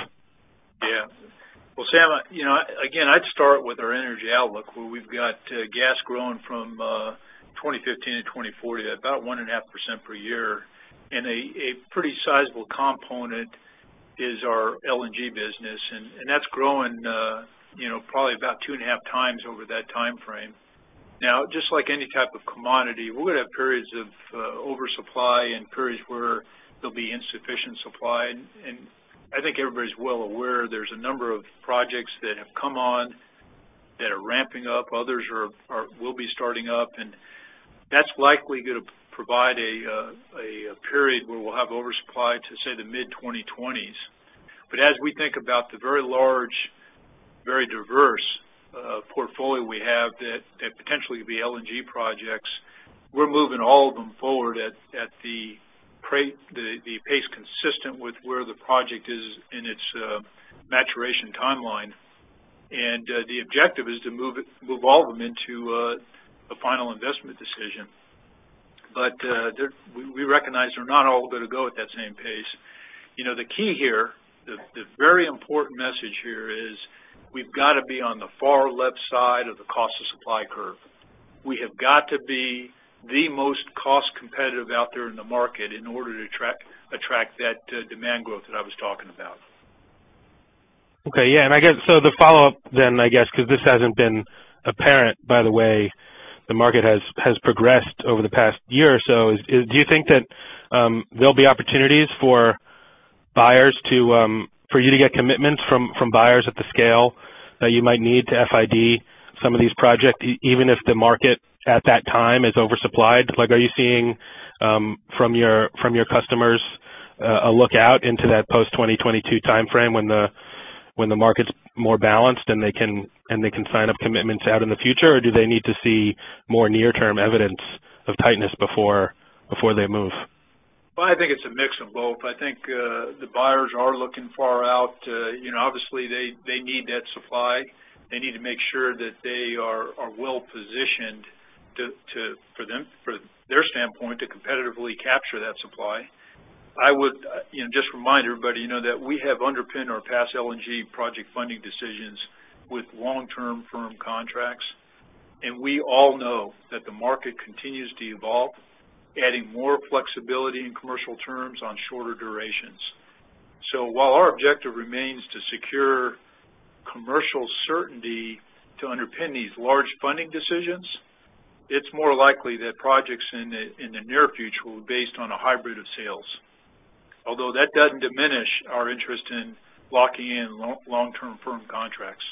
Well, Sam, again, I'd start with our energy outlook, where we've got gas growing from 2015 to 2040 at about 1.5% per year. A pretty sizable component is our LNG business, and that's growing probably about two and a half times over that timeframe. Just like any type of commodity, we're going to have periods of oversupply and periods where there'll be insufficient supply. I think everybody's well aware there's a number of projects that have come on that are ramping up. Others will be starting up, and that's likely going to provide a period where we'll have oversupply to, say, the mid 2020s. As we think about the very large, very diverse portfolio we have that potentially could be LNG projects, we're moving all of them forward at the pace consistent with where the project is in its maturation timeline. The objective is to move all of them into a final investment decision. We recognize they're not all going to go at that same pace. The key here, the very important message here is we've got to be on the far left side of the cost of supply curve. We have got to be the most cost competitive out there in the market in order to attract that demand growth that I was talking about. The follow-up then, I guess, because this hasn't been apparent, by the way the market has progressed over the past year or so is, do you think that there'll be opportunities for you to get commitments from buyers at the scale that you might need to FID some of these projects, even if the market at that time is oversupplied? Are you seeing from your customers a look out into that post-2022 timeframe when the market's more balanced and they can sign up commitments out in the future, or do they need to see more near-term evidence of tightness before they move? Well, I think it's a mix of both. I think, the buyers are looking far out. Obviously they need that supply. They need to make sure that they are well-positioned, for their standpoint, to competitively capture that supply. I would just remind everybody that we have underpinned our past LNG project funding decisions with long-term firm contracts, and we all know that the market continues to evolve, adding more flexibility in commercial terms on shorter durations. While our objective remains to secure commercial certainty to underpin these large funding decisions, it's more likely that projects in the near future will be based on a hybrid of sales. Although that doesn't diminish our interest in locking in long-term firm contracts.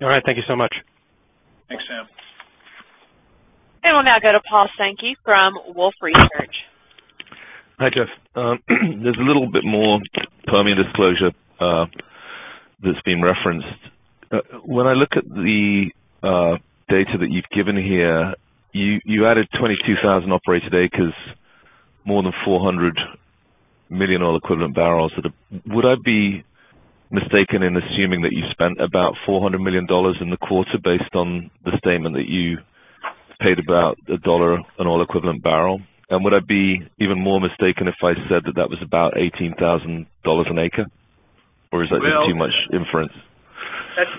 All right. Thank you so much. Thanks, Sam. We'll now go to Paul Sankey from Wolfe Research. Hi, Jeff. There's a little bit more Permian disclosure that's being referenced. When I look at the data that you've given here, you added 22,000 operated acres, more than 400 million oil equivalent barrels. Would I be mistaken in assuming that you spent about $400 million in the quarter based on the statement that you paid about $1 an oil equivalent barrel? Would I be even more mistaken if I said that that was about $18,000 an acre, or is that- Well- just too much inference?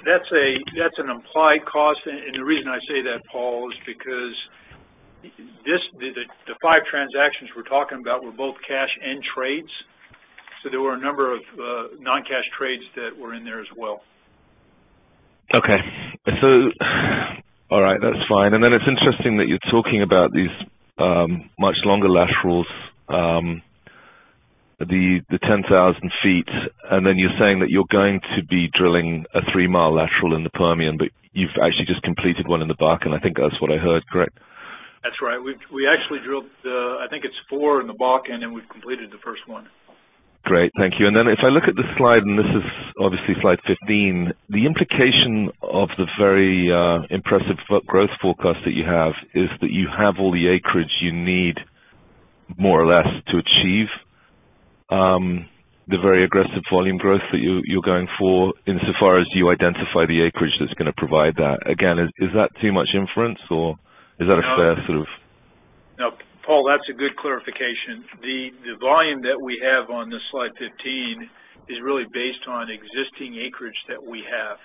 That's an implied cost. The reason I say that, Paul, is because the five transactions we're talking about were both cash and trades, so there were a number of non-cash trades that were in there as well. Okay. All right, that's fine. It's interesting that you're talking about these much longer laterals, the 10,000 feet, then you're saying that you're going to be drilling a three-mile lateral in the Permian, but you've actually just completed one in the Bakken. I think that's what I heard, correct? That's right. We actually drilled, I think it's four in the Bakken, and we've completed the first one. Great. Thank you. If I look at the slide, and this is obviously slide 15, the implication of the very impressive growth forecast that you have is that you have all the acreage you need, more or less, to achieve the very aggressive volume growth that you're going for, insofar as you identify the acreage that's going to provide that. Again, is that too much inference, or is that a fair sort of? No, Paul, that's a good clarification. The volume that we have on the slide 15 is really based on existing acreage that we have.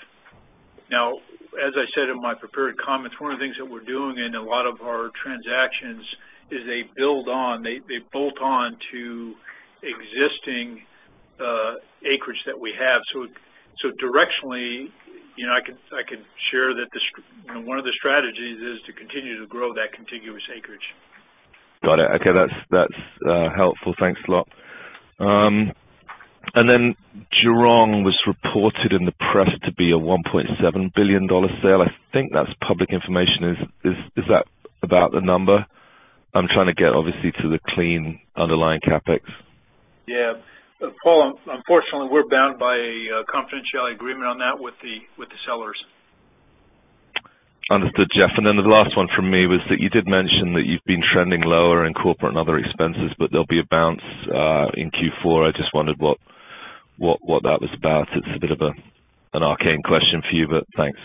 As I said in my prepared comments, one of the things that we're doing in a lot of our transactions is they build on, they bolt on to existing acreage that we have. Directionally, I could share that one of the strategies is to continue to grow that contiguous acreage. Got it. Okay. That's helpful. Thanks a lot. Jurong was reported in the press to be a $1.7 billion sale. I think that's public information. Is that about the number? I'm trying to get obviously to the clean underlying CapEx. Yeah. Paul, unfortunately, we're bound by a confidentiality agreement on that with the sellers. Understood, Jeff. Then the last one from me was that you did mention that you've been trending lower in corporate and other expenses, but there'll be a bounce in Q4. I just wondered what that was about. It's a bit of an arcane question for you, but thanks.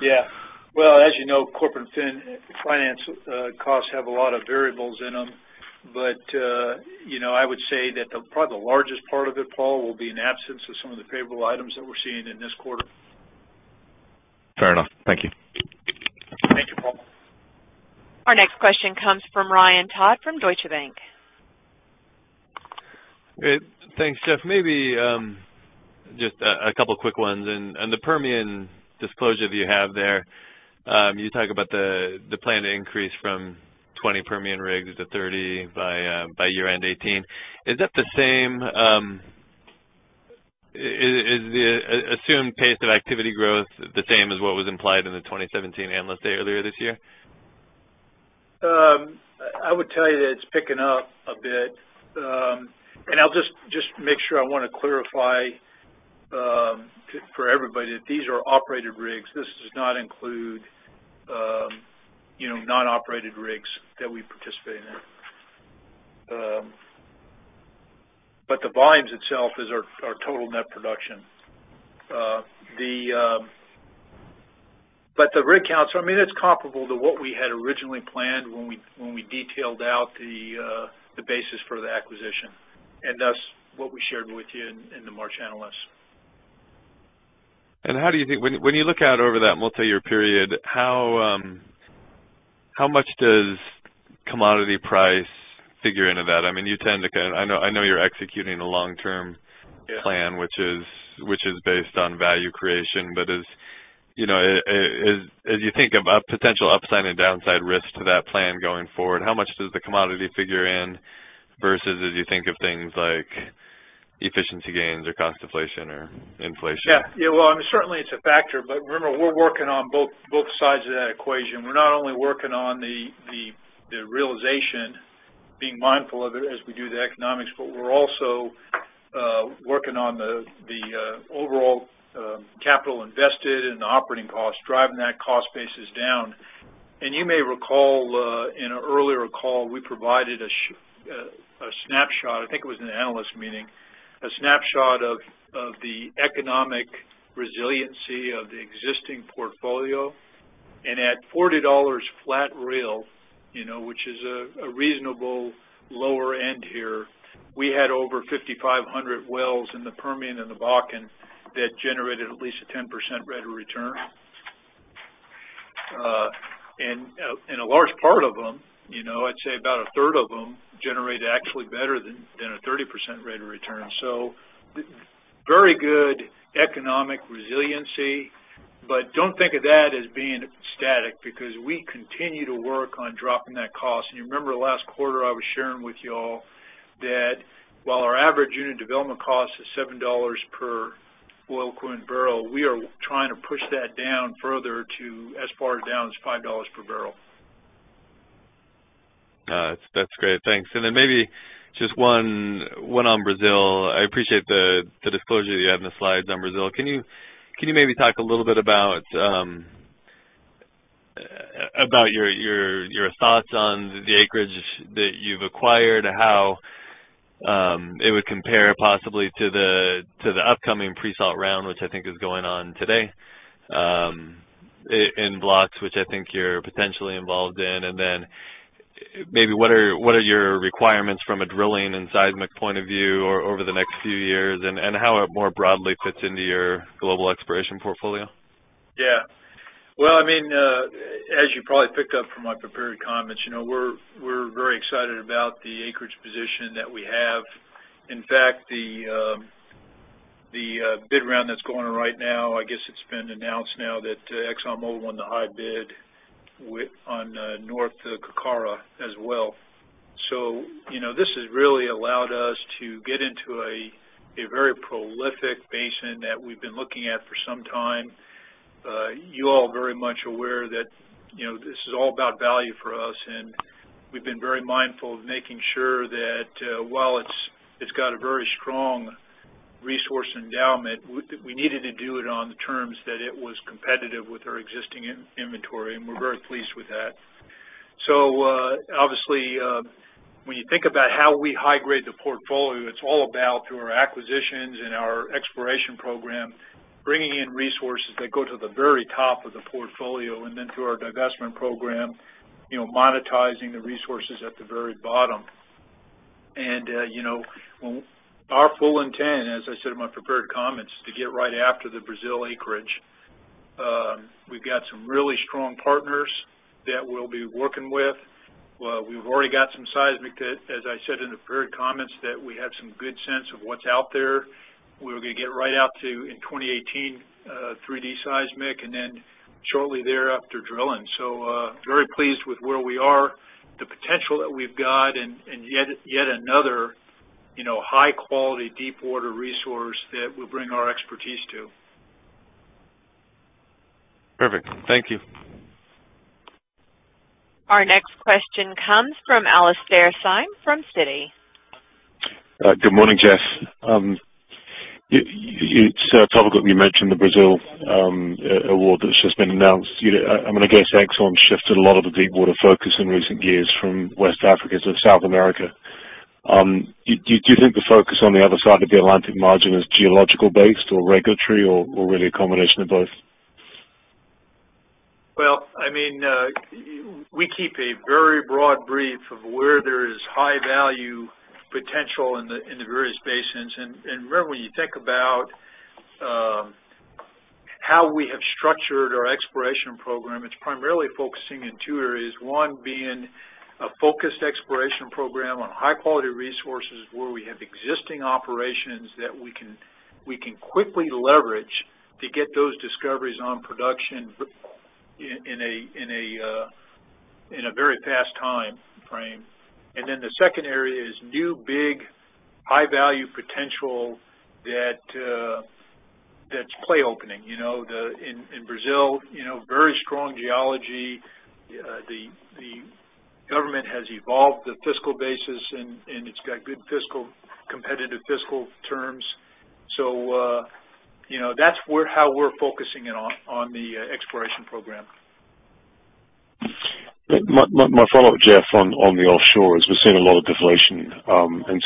Yeah. Well, as you know, corporate finance costs have a lot of variables in them. I would say that probably the largest part of it, Paul, will be an absence of some of the favorable items that we're seeing in this quarter. Fair enough. Thank you. Thank you, Paul. Our next question comes from Ryan Todd from Deutsche Bank. Great. Thanks, Jeff. Maybe just a couple quick ones. On the Permian disclosure that you have there, you talk about the plan to increase from 20 Permian rigs to 30 by year-end 2018. Is the assumed pace of activity growth the same as what was implied in the 2017 Analyst Day earlier this year? I would tell you that it's picking up a bit. I'll just make sure I want to clarify, for everybody that these are operated rigs. This does not include non-operated rigs that we participate in. The volumes itself is our total net production. The rig count, so I mean, it's comparable to what we had originally planned when we detailed out the basis for the acquisition, and thus what we shared with you in the March analyst. How do you think when you look out over that multi-year period, how much does commodity price figure into that? I mean, you tend to I know you're executing a long-term- Yeah Plan which is based on value creation. As you think about potential upside and downside risks to that plan going forward, how much does the commodity figure in versus as you think of things like efficiency gains or cost deflation or inflation. Well, certainly it's a factor, but remember, we're working on both sides of that equation. We're not only working on the realization, being mindful of it as we do the economics, but we're also working on the overall capital invested and the operating costs, driving that cost basis down. You may recall, in an earlier call, we provided a snapshot, I think it was in an analyst meeting, a snapshot of the economic resiliency of the existing portfolio. At $40 flat barrel, which is a reasonable lower end here, we had over 5,500 wells in the Permian and the Bakken that generated at least a 10% rate of return. A large part of them, I'd say about a third of them, generated actually better than a 30% rate of return. Very good economic resiliency, but don't think of that as being static because we continue to work on dropping that cost. You remember last quarter, I was sharing with you all that while our average unit development cost is $7 per oil equivalent barrel, we are trying to push that down further to as far down as $5 per barrel. That's great. Thanks. Maybe just one on Brazil. I appreciate the disclosure that you have in the slides on Brazil. Can you maybe talk a little bit about your thoughts on the acreage that you've acquired, how it would compare possibly to the upcoming pre-salt round, which I think is going on today, in blocks which I think you're potentially involved in, maybe what are your requirements from a drilling and seismic point of view over the next few years, and how it more broadly fits into your global exploration portfolio? As you probably picked up from my prepared comments, we're very excited about the acreage position that we have. In fact, the bid round that's going on right now, I guess it's been announced now that ExxonMobil won the high bid on North Carcará as well. This has really allowed us to get into a very prolific basin that we've been looking at for some time. You all are very much aware that this is all about value for us, and we've been very mindful of making sure that while it's got a very strong resource endowment, we needed to do it on the terms that it was competitive with our existing inventory, and we're very pleased with that. Obviously, when you think about how we high-grade the portfolio, it's all about, through our acquisitions and our exploration program, bringing in resources that go to the very top of the portfolio, then through our divestment program, monetizing the resources at the very bottom. Our full intent, as I said in my prepared comments, is to get right after the Brazil acreage. We've got some really strong partners that we'll be working with. We've already got some seismic that, as I said in the prepared comments, that we have some good sense of what's out there. We're going to get right out to, in 2018, 3D seismic, shortly thereafter, drilling. Very pleased with where we are, the potential that we've got, and yet another high-quality, deepwater resource that we'll bring our expertise to. Perfect. Thank you. Our next question comes from Alistair Syme from Citi. Good morning, Jeff. It's topical that you mentioned the Brazil award that's just been announced. I'm going to guess Exxon shifted a lot of the deepwater focus in recent years from West Africa to South America. Do you think the focus on the other side of the Atlantic margin is geological-based or regulatory or really a combination of both? Well, we keep a very broad brief of where there is high-value potential in the various basins. Remember, when you think about how we have structured our exploration program, it's primarily focusing in two areas. One being a focused exploration program on high-quality resources where we have existing operations that we can quickly leverage to get those discoveries on production in a very fast timeframe. The second area is new, big, high-value potential that's play opening. In Brazil, very strong geology. The government has evolved the fiscal basis, it's got good competitive fiscal terms. That's how we're focusing in on the exploration program. My follow-up, Jeff, on the offshore is we're seeing a lot of deflation.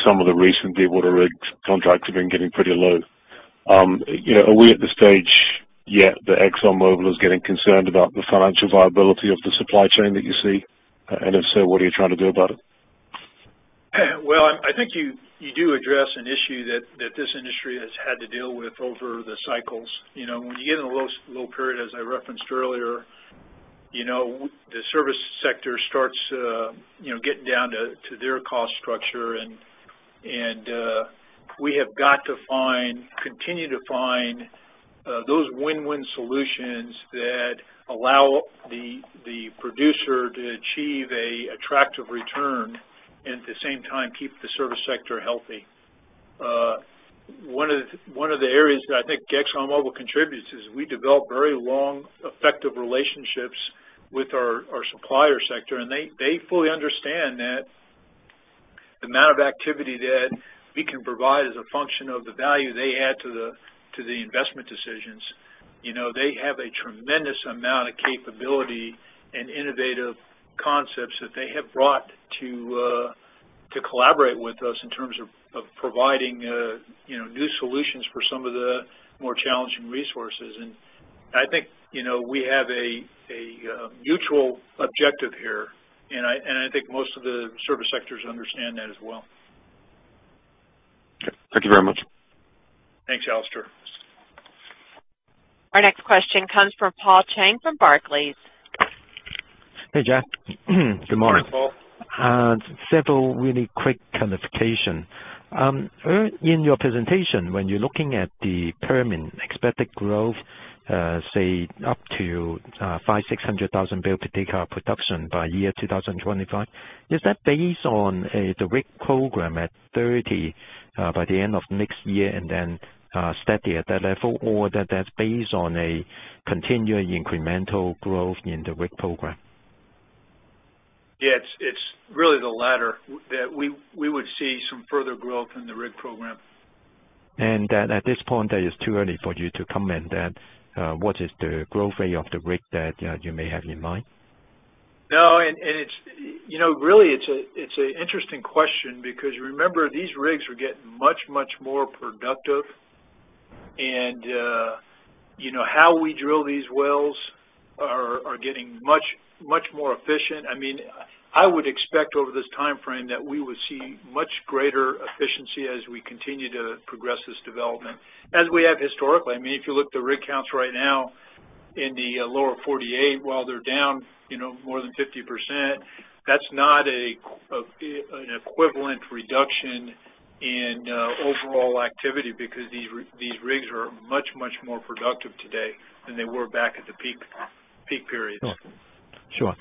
Some of the recent deepwater rigs contracts have been getting pretty low. Are we at the stage yet that ExxonMobil is getting concerned about the financial viability of the supply chain that you see? If so, what are you trying to do about it? Well, I think you do address an issue that this industry has had to deal with over the cycles. When you get in a low period, as I referenced earlier, the service sector starts getting down to their cost structure. We have got to continue to find those win-win solutions that allow the producer to achieve an attractive return, and at the same time keep the service sector healthy. One of the areas that I think ExxonMobil contributes is we develop very long, effective relationships with our supplier sector. They fully understand that the amount of activity that we can provide is a function of the value they add to the investment decisions. They have a tremendous amount of capability and innovative concepts that they have brought to collaborate with us in terms of providing new solutions for some of the more challenging resources. I think we have a mutual objective here, and I think most of the service sectors understand that as well. Okay. Thank you very much. Thanks, Alistair. Our next question comes from Paul Cheng from Barclays. Hey, Jeff. Good morning. Morning, Paul. Several really quick clarification. Earlier in your presentation, when you're looking at the Permian expected growth, say, up to 500,000, 600,000 barrel per day production by year 2025. Is that based on the rig program at 30 by the end of next year and then steady at that level, or that's based on a continuing incremental growth in the rig program? Yeah. It's really the latter, that we would see some further growth in the rig program. That at this point, that is too early for you to comment that what is the growth rate of the rig that you may have in mind? No, really, it's an interesting question because remember, these rigs are getting much, much more productive. How we drill these wells are getting much more efficient. I would expect over this timeframe that we would see much greater efficiency as we continue to progress this development, as we have historically. If you look at the rig counts right now in the lower 48, while they're down more than 50%, that's not an equivalent reduction in overall activity because these rigs are much, much more productive today than they were back at the peak periods. Sure.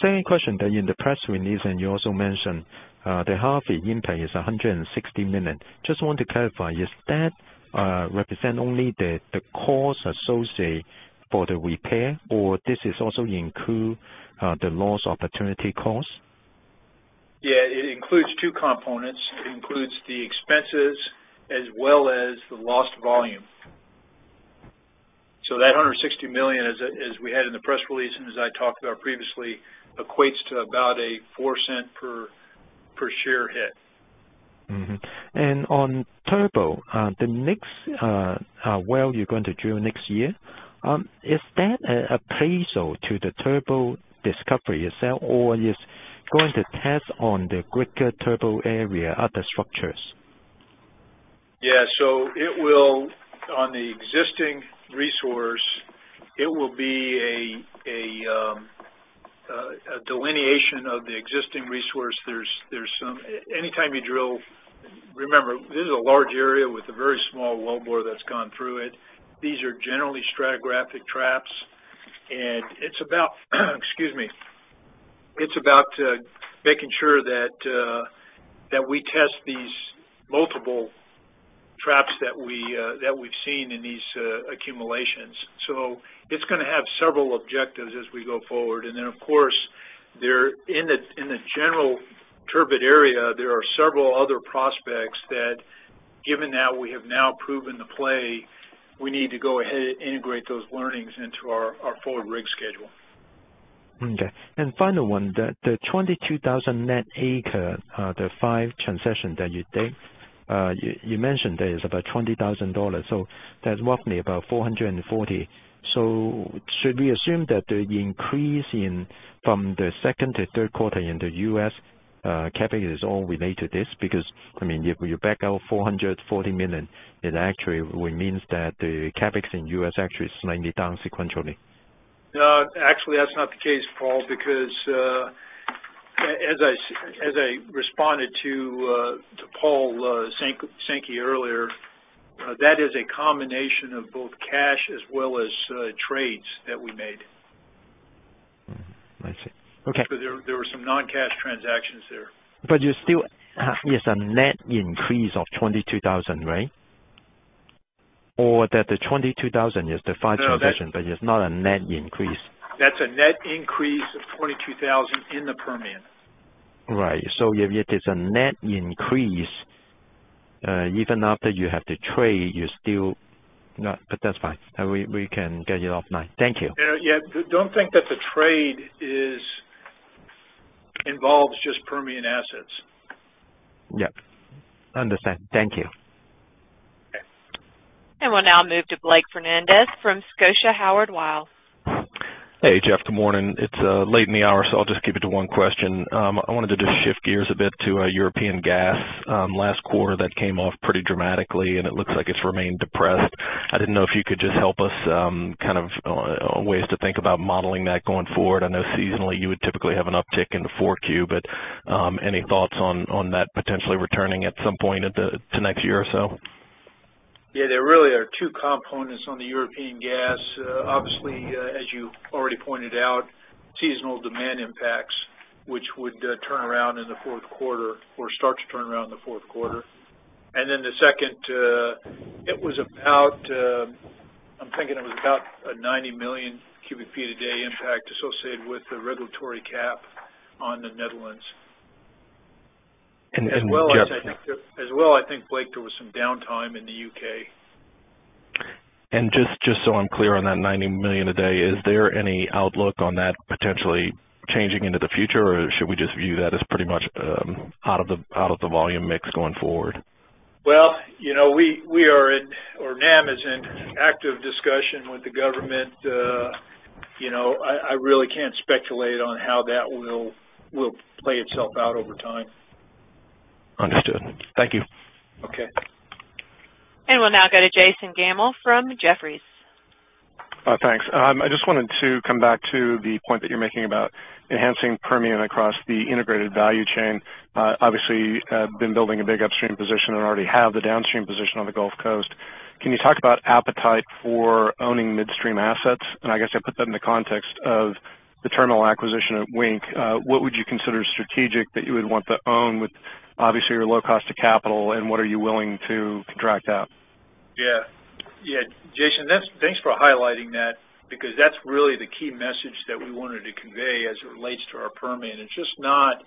Second question that in the press release, you also mentioned, the Harvey impact is $160 million. Just want to clarify, is that represent only the cost associated for the repair, or this is also include the lost opportunity cost? It includes two components. It includes the expenses as well as the lost volume. That $160 million, as we had in the press release and as I talked about previously, equates to about a $0.04 per share hit. On Turbot, the next well you're going to drill next year, is that appraisal to the Turbot discovery itself or is going to test on the greater Turbot area, other structures? On the existing resource, it will be a delineation of the existing resource. Anytime you drill, remember, this is a large area with a very small well bore that's gone through it. These are generally stratigraphic traps, it's about making sure that we test these multiple traps that we've seen in these accumulations. It's going to have several objectives as we go forward. In the general Turbot area, there are several other prospects that, given that we have now proven the play, we need to go ahead and integrate those learnings into our forward rig schedule. Final one, the 22,000 net acre, the five concessions that you take. You mentioned that it's about $20,000, that's roughly about $440 million. Should we assume that the increase from the second to third quarter in the U.S. CapEx is all related to this? Because if you back out $440 million, it actually means that the CapEx in U.S. actually is slightly down sequentially. No, actually, that's not the case, Paul, because as I responded to Paul Sankey earlier, that is a combination of both cash as well as trades that we made. I see. Okay. There were some non-cash transactions there. You still have a net increase of 22,000, right? Or that the 22,000 is the five transaction. No. It's not a net increase. That's a net increase of 22,000 in the Permian. Right. If it is a net increase, even after you have the trade, you're still not. That's fine. We can get it offline. Thank you. Yeah. Don't think that the trade involves just Permian assets. Yep. Understand. Thank you. Okay. We'll now move to Blake Fernandez from Scotiabank Howard Weil. Hey, Jeff. Good morning. It's late in the hour, I'll just keep it to one question. I wanted to just shift gears a bit to European gas. Last quarter, that came off pretty dramatically, and it looks like it's remained depressed. I didn't know if you could just help us, ways to think about modeling that going forward. I know seasonally, you would typically have an uptick in the 4Q, any thoughts on that potentially returning at some point to next year or so? There really are two components on the European gas. Obviously, as you already pointed out, seasonal demand impacts, which would turn around in the fourth quarter or start to turn around in the fourth quarter. Then the second, I'm thinking it was about a 90 million cubic feet a day impact associated with the regulatory cap on the Netherlands. And- As well, I think, Blake, there was some downtime in the U.K. Just so I'm clear on that 90 million a day, is there any outlook on that potentially changing into the future? Should we just view that as pretty much out of the volume mix going forward? Well, NAM is in active discussion with the government. I really can't speculate on how that will play itself out over time. Understood. Thank you. Okay. We'll now go to Jason Gammel from Jefferies. Thanks. I just wanted to come back to the point that you're making about enhancing Permian across the integrated value chain. Obviously, been building a big upstream position and already have the downstream position on the Gulf Coast. Can you talk about appetite for owning midstream assets? I guess I'd put that in the context of the terminal acquisition of Wink. What would you consider strategic that you would want to own with obviously your low cost of capital, and what are you willing to contract out? Yeah. Jason, thanks for highlighting that because that's really the key message that we wanted to convey as it relates to our Permian. It's just not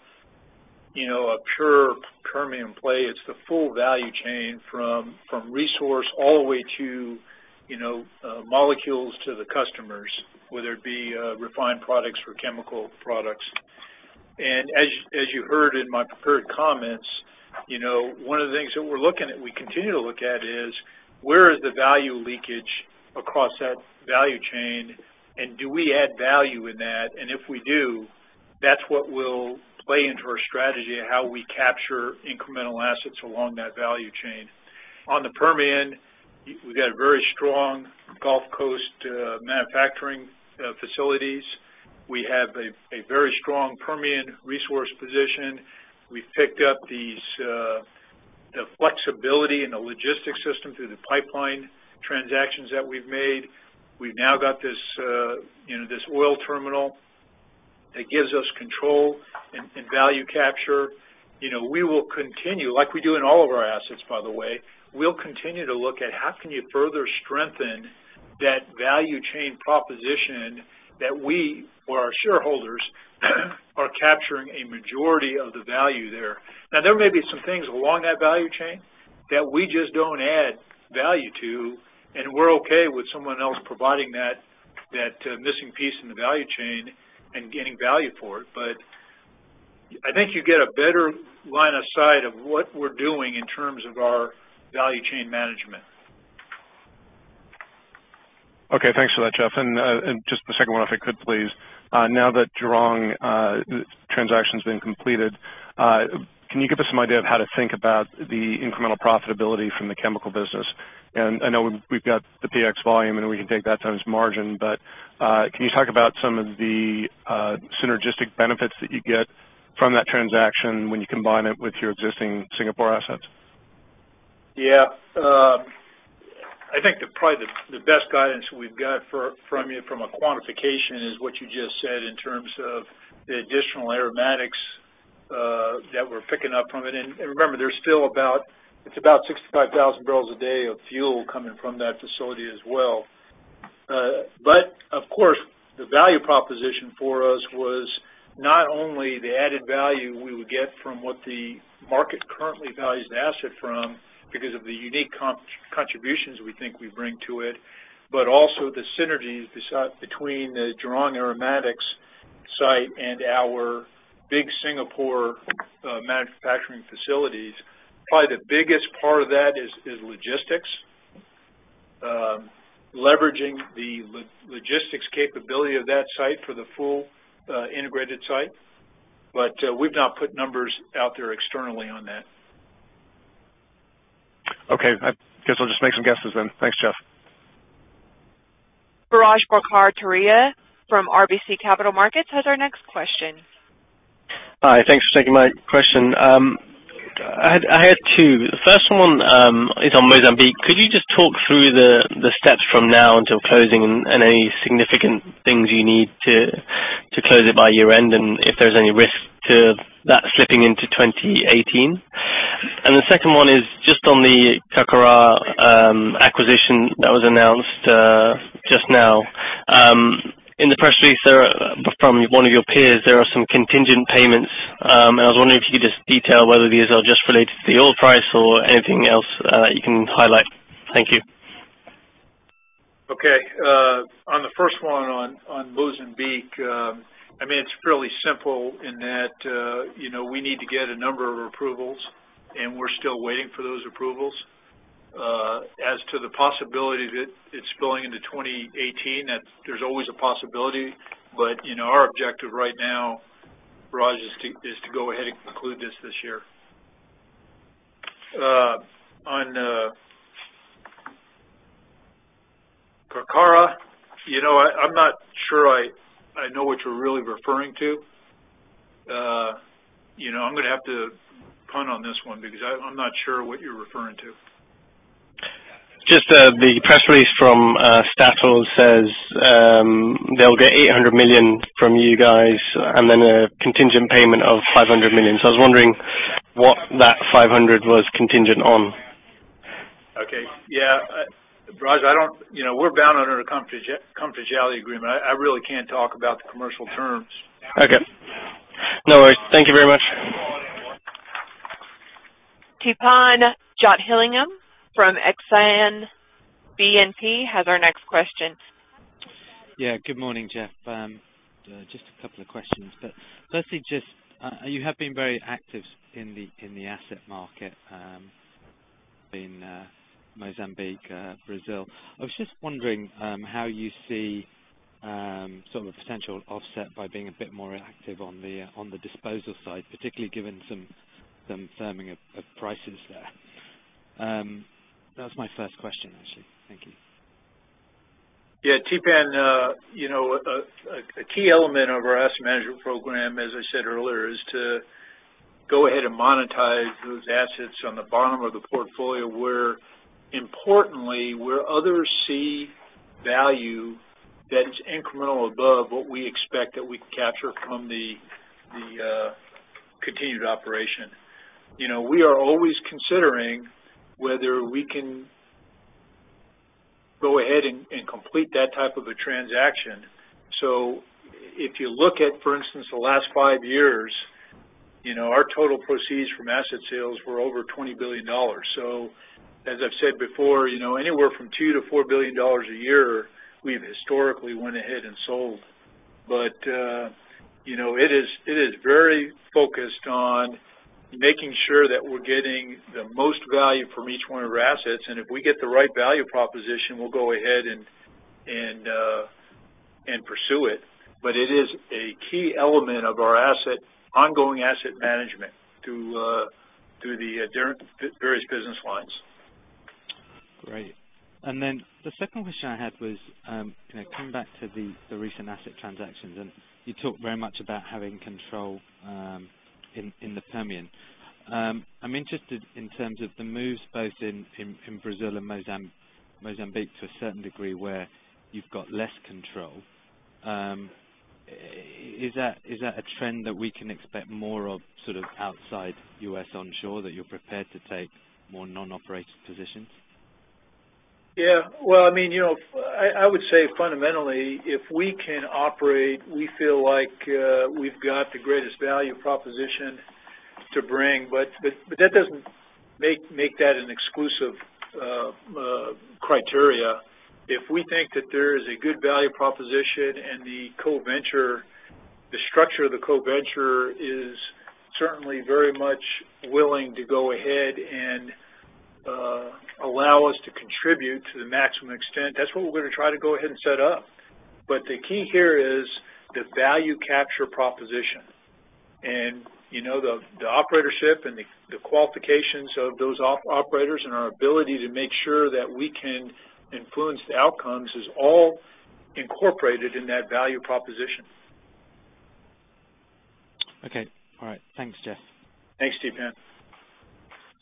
a pure Permian play. It's the full value chain from resource all the way to molecules to the customers, whether it be refined products or chemical products. As you heard in my prepared comments, one of the things that we continue to look at is where is the value leakage across that value chain, and do we add value in that? If we do, that's what will play into our strategy of how we capture incremental assets along that value chain. On the Permian, we've got very strong Gulf Coast manufacturing facilities. We have a very strong Permian resource position. We've picked up the flexibility in the logistics system through the pipeline transactions that we've made. We've now got this oil terminal that gives us control and value capture. We will continue, like we do in all of our assets, by the way. We'll continue to look at how can you further strengthen that value chain proposition that we or our shareholders are capturing a majority of the value there. Now, there may be some things along that value chain that we just don't add value to, and we're okay with someone else providing that missing piece in the value chain and getting value for it. I think you get a better line of sight of what we're doing in terms of our value chain management. Okay. Thanks for that, Jeff. Just the second one, if I could please. Now that Jurong transaction's been completed, can you give us some idea of how to think about the incremental profitability from the chemical business? I know we've got the PX volume, and we can take that times margin, but can you talk about some of the synergistic benefits that you get from that transaction when you combine it with your existing Singapore assets? Yeah. I think probably the best guidance we've got from a quantification is what you just said in terms of the additional aromatics that we're picking up from it. Remember, it's about 65,000 barrels a day of fuel coming from that facility as well. Of course, the value proposition for us was not only the added value we would get from what the market currently values the asset from because of the unique contributions we think we bring to it, but also the synergies between the Jurong aromatics site and our big Singapore manufacturing facilities. Probably the biggest part of that is logistics. Leveraging the logistics capability of that site for the full integrated site. We've not put numbers out there externally on that. Okay. I guess I'll just make some guesses then. Thanks, Jeff. Biraj Borkhataria from RBC Capital Markets has our next question. Hi. Thanks for taking my question. I had two. The first one is on Mozambique. Could you just talk through the steps from now until closing and any significant things you need to close it by year-end and if there's any risk to that slipping into 2018? The second one is just on the Carcará acquisition that was announced just now. In the press release from one of your peers, there are some contingent payments. I was wondering if you could just detail whether these are just related to the oil price or anything else that you can highlight. Thank you. Okay. On the first one, on Mozambique, it's fairly simple in that we need to get a number of approvals, and we're still waiting for those approvals. As to the possibility that it's spilling into 2018, there's always a possibility. Our objective right now, Biraj, is to go ahead and conclude this year. On Carcará, I'm not sure I know what you're really referring to. I'm going to have to punt on this one because I'm not sure what you're referring to. Just the press release from Statoil says they'll get $800 million from you guys and then a contingent payment of $500 million. I was wondering what that $500 million was contingent on. Okay. Yeah. Raj, we're bound under a confidentiality agreement. I really can't talk about the commercial terms. Okay. No worries. Thank you very much. Theepan Jothilingam from Exane BNP has our next question. Good morning, Jeff. Just a couple of questions. Firstly, you have been very active in the asset market in Mozambique, Brazil. I was just wondering how you see potential offset by being a bit more active on the disposal side, particularly given some firming of prices there. That was my first question, actually. Thank you. Theepan, a key element of our asset management program, as I said earlier, is to go ahead and monetize those assets on the bottom of the portfolio, importantly, where others see value that is incremental above what we expect that we can capture from the continued operation. We are always considering whether we can go ahead and complete that type of a transaction. If you look at, for instance, the last five years, our total proceeds from asset sales were over $20 billion. As I've said before, anywhere from $2 billion to $4 billion a year, we've historically went ahead and sold. It is very focused on making sure that we're getting the most value from each one of our assets, and if we get the right value proposition, we'll go ahead and pursue it. It is a key element of our ongoing asset management through the various business lines. Great. The second question I had was, coming back to the recent asset transactions, and you talked very much about having control in the Permian. I'm interested in terms of the moves both in Brazil and Mozambique to a certain degree where you've got less control. Is that a trend that we can expect more of outside U.S. onshore, that you're prepared to take more non-operated positions? Yeah. I would say fundamentally, if we can operate, we feel like we've got the greatest value proposition to bring. That doesn't make that an exclusive criteria. If we think that there is a good value proposition and the structure of the co-venture is certainly very much willing to go ahead and allow us to contribute to the maximum extent, that's what we're going to try to go ahead and set up. The key here is the value capture proposition. The operatorship and the qualifications of those operators and our ability to make sure that we can influence the outcomes is all incorporated in that value proposition. Okay. All right. Thanks, Jeff. Thanks,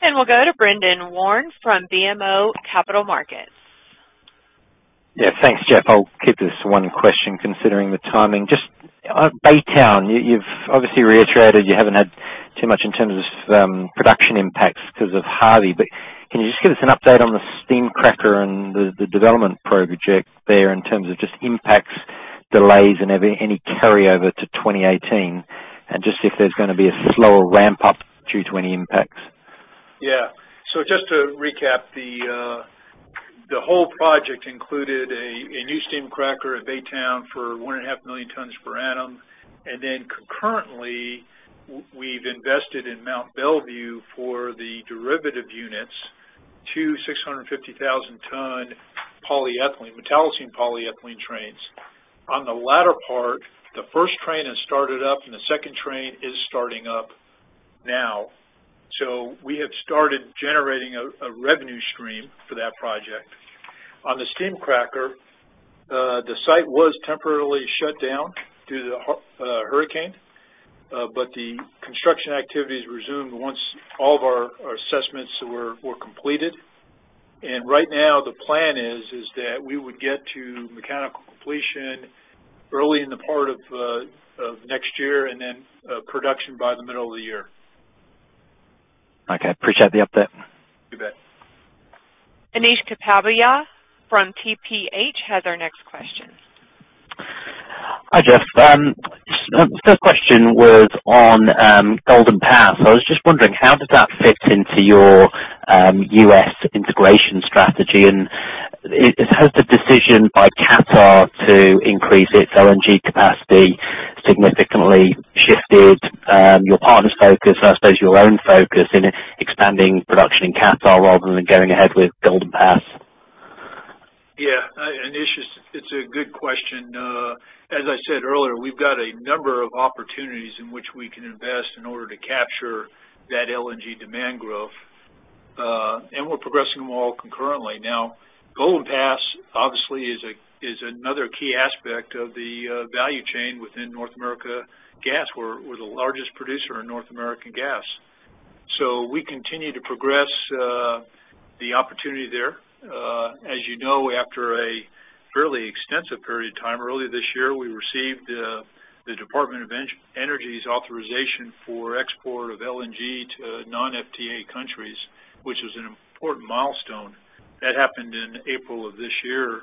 Theepan. We'll go to Brendan Warn from BMO Capital Markets. Yeah. Thanks, Jeff. I'll keep this to one question, considering the timing. Just Baytown, you've obviously reiterated you haven't had too much in terms of production impacts because of Harvey, but can you just give us an update on the steam cracker and the development project there in terms of just impacts, delays, and any carryover to 2018, and just if there's going to be a slower ramp-up due to any impacts? Yeah. Just to recap, the whole project included a new steam cracker at Baytown for 1.5 million tons per annum. Concurrently, we've invested in Mont Belvieu for the derivative units to 650,000 ton metallocene polyethylene trains. On the latter part, the first train has started up, and the second train is starting up now. We have started generating a revenue stream for that project. On the steam cracker, the site was temporarily shut down due to the hurricane. The construction activities resumed once all of our assessments were completed. Right now the plan is that we would get to mechanical completion early in the part of next year, and then production by the middle of the year. Okay. Appreciate the update. You bet. Anish Kapadia from TPH has our next question. Hi, Jeff. First question was on Golden Pass. I was just wondering, how does that fit into your U.S. integration strategy? Has the decision by Qatar to increase its LNG capacity significantly shifted your partner's focus, or I suppose your own focus in expanding production in Qatar rather than going ahead with Golden Pass? Yeah. Anish, it's a good question. As I said earlier, we've got a number of opportunities in which we can invest in order to capture that LNG demand growth. We're progressing them all concurrently. Golden Pass obviously is another key aspect of the value chain within North American Gas. We're the largest producer in North American Gas. We continue to progress the opportunity there. As you know, after a fairly extensive period of time early this year, we received the Department of Energy's authorization for export of LNG to non-FTA countries, which is an important milestone. That happened in April of this year.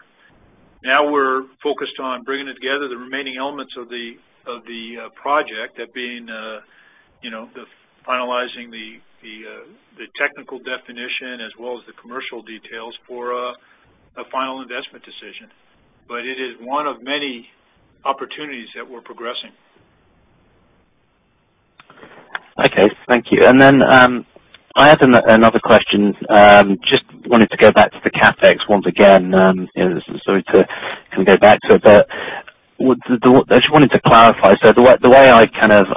We're focused on bringing together the remaining elements of the project, that being the finalizing the technical definition as well as the commercial details for a final investment decision. It is one of many opportunities that we're progressing. Okay, thank you. I have another question. Just wanted to go back to the CapEx once again. Sorry to go back to it, but I just wanted to clarify. The way I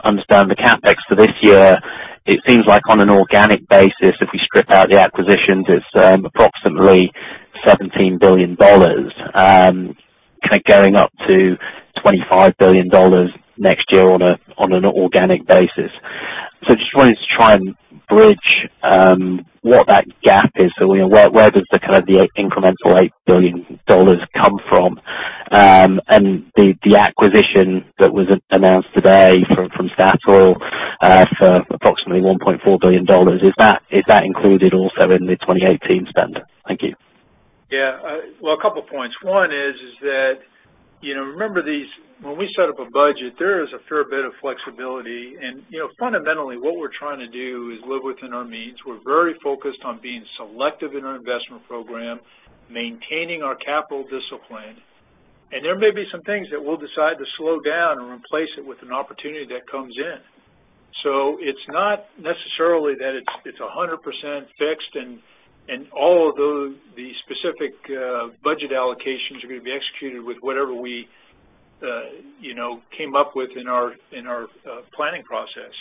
understand the CapEx for this year, it seems like on an organic basis, if we strip out the acquisitions, it's approximately $17 billion, going up to $25 billion next year on an organic basis. Just wanted to try and bridge what that gap is. Where does the incremental $8 billion come from? The acquisition that was announced today from Statoil for approximately $1.4 billion, is that included also in the 2018 spend? Thank you. Yeah. A couple points. One is that, remember these, when we set up a budget, there is a fair bit of flexibility. Fundamentally, what we're trying to do is live within our means. We're very focused on being selective in our investment program, maintaining our capital discipline, and there may be some things that we'll decide to slow down and replace it with an opportunity that comes in. It's not necessarily that it's 100% fixed and all of the specific budget allocations are going to be executed with whatever we came up with in our planning process.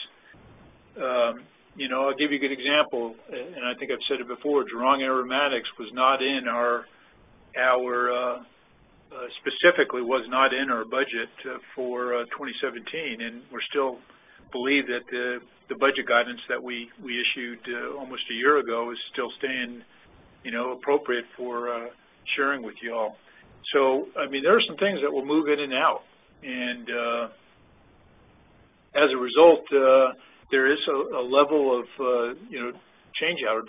I'll give you a good example, and I think I've said it before, Jurong Aromatics specifically was not in our budget for 2017, we still believe that the budget guidance that we issued almost a year ago is still staying appropriate for sharing with you all. There are some things that will move in and out, and as a result, there is a level of change out or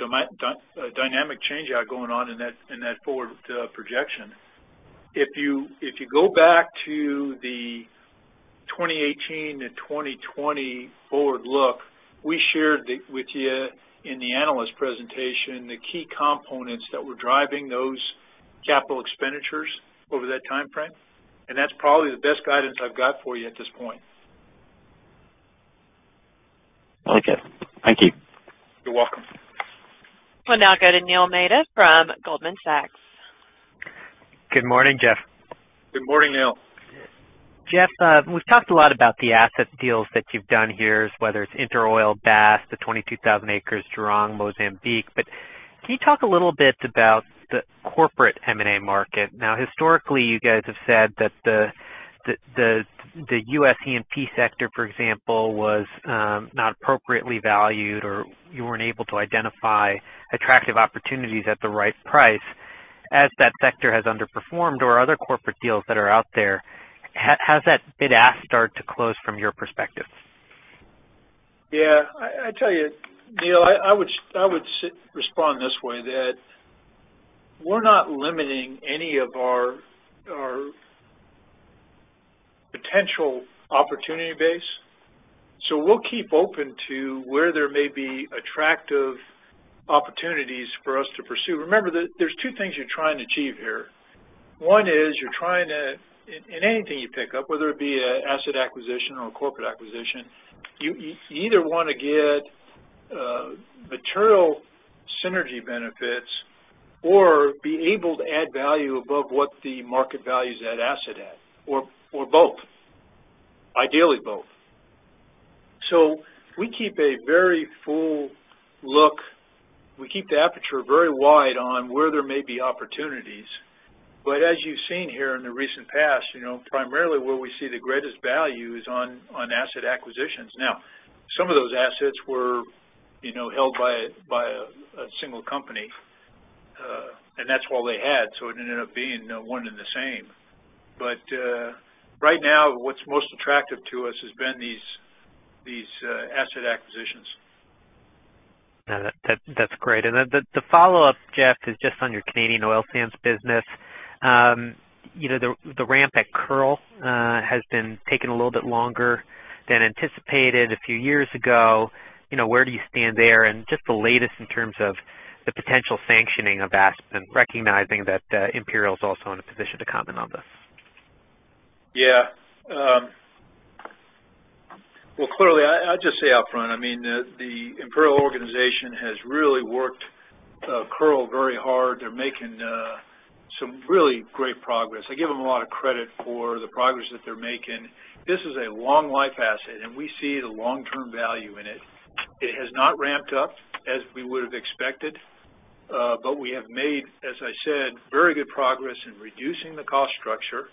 dynamic change out going on in that forward projection. If you go back to the 2018 and 2020 forward look, we shared with you in the analyst presentation the key components that were driving those capital expenditures over that timeframe, that's probably the best guidance I've got for you at this point. Okay. Thank you. You're welcome. We'll now go to Neil Mehta from Goldman Sachs. Good morning, Jeff. Good morning, Neil. Jeff, we've talked a lot about the asset deals that you've done here, whether it's InterOil, Bass, the 22,000 acres, Jurong, Mozambique. Can you talk a little bit about the corporate M&A market? Historically, you guys have said that the U.S. E&P sector, for example, was not appropriately valued or you weren't able to identify attractive opportunities at the right price. As that sector has underperformed or other corporate deals that are out there, has that bid-ask start to close from your perspective? I tell you, Neil, I would respond this way that we're not limiting any of our potential opportunity base. We'll keep open to where there may be attractive opportunities for us to pursue. Remember, there's two things you're trying to achieve here. One is, in anything you pick up, whether it be an asset acquisition or a corporate acquisition, you either want to get material synergy benefits or be able to add value above what the market values that asset at, or both. Ideally, both. We keep a very full look. We keep the aperture very wide on where there may be opportunities. As you've seen here in the recent past, primarily where we see the greatest value is on asset acquisitions. Now, some of those assets were held by a single company, and that's all they had. It ended up being one and the same. Right now, what's most attractive to us has been these asset acquisitions. No, that's great. The follow-up, Jeff, is just on your Canadian oil sands business. The ramp at Kearl has been taking a little bit longer than anticipated a few years ago. Just the latest in terms of the potential sanctioning of Aspen, recognizing that Imperial's also in a position to comment on this. Well, clearly, I'll just say upfront, the Imperial organization has really worked Kearl very hard. They're making some really great progress. I give them a lot of credit for the progress that they're making. This is a long life asset, and we see the long-term value in it. It has not ramped up as we would've expected. We have made, as I said, very good progress in reducing the cost structure,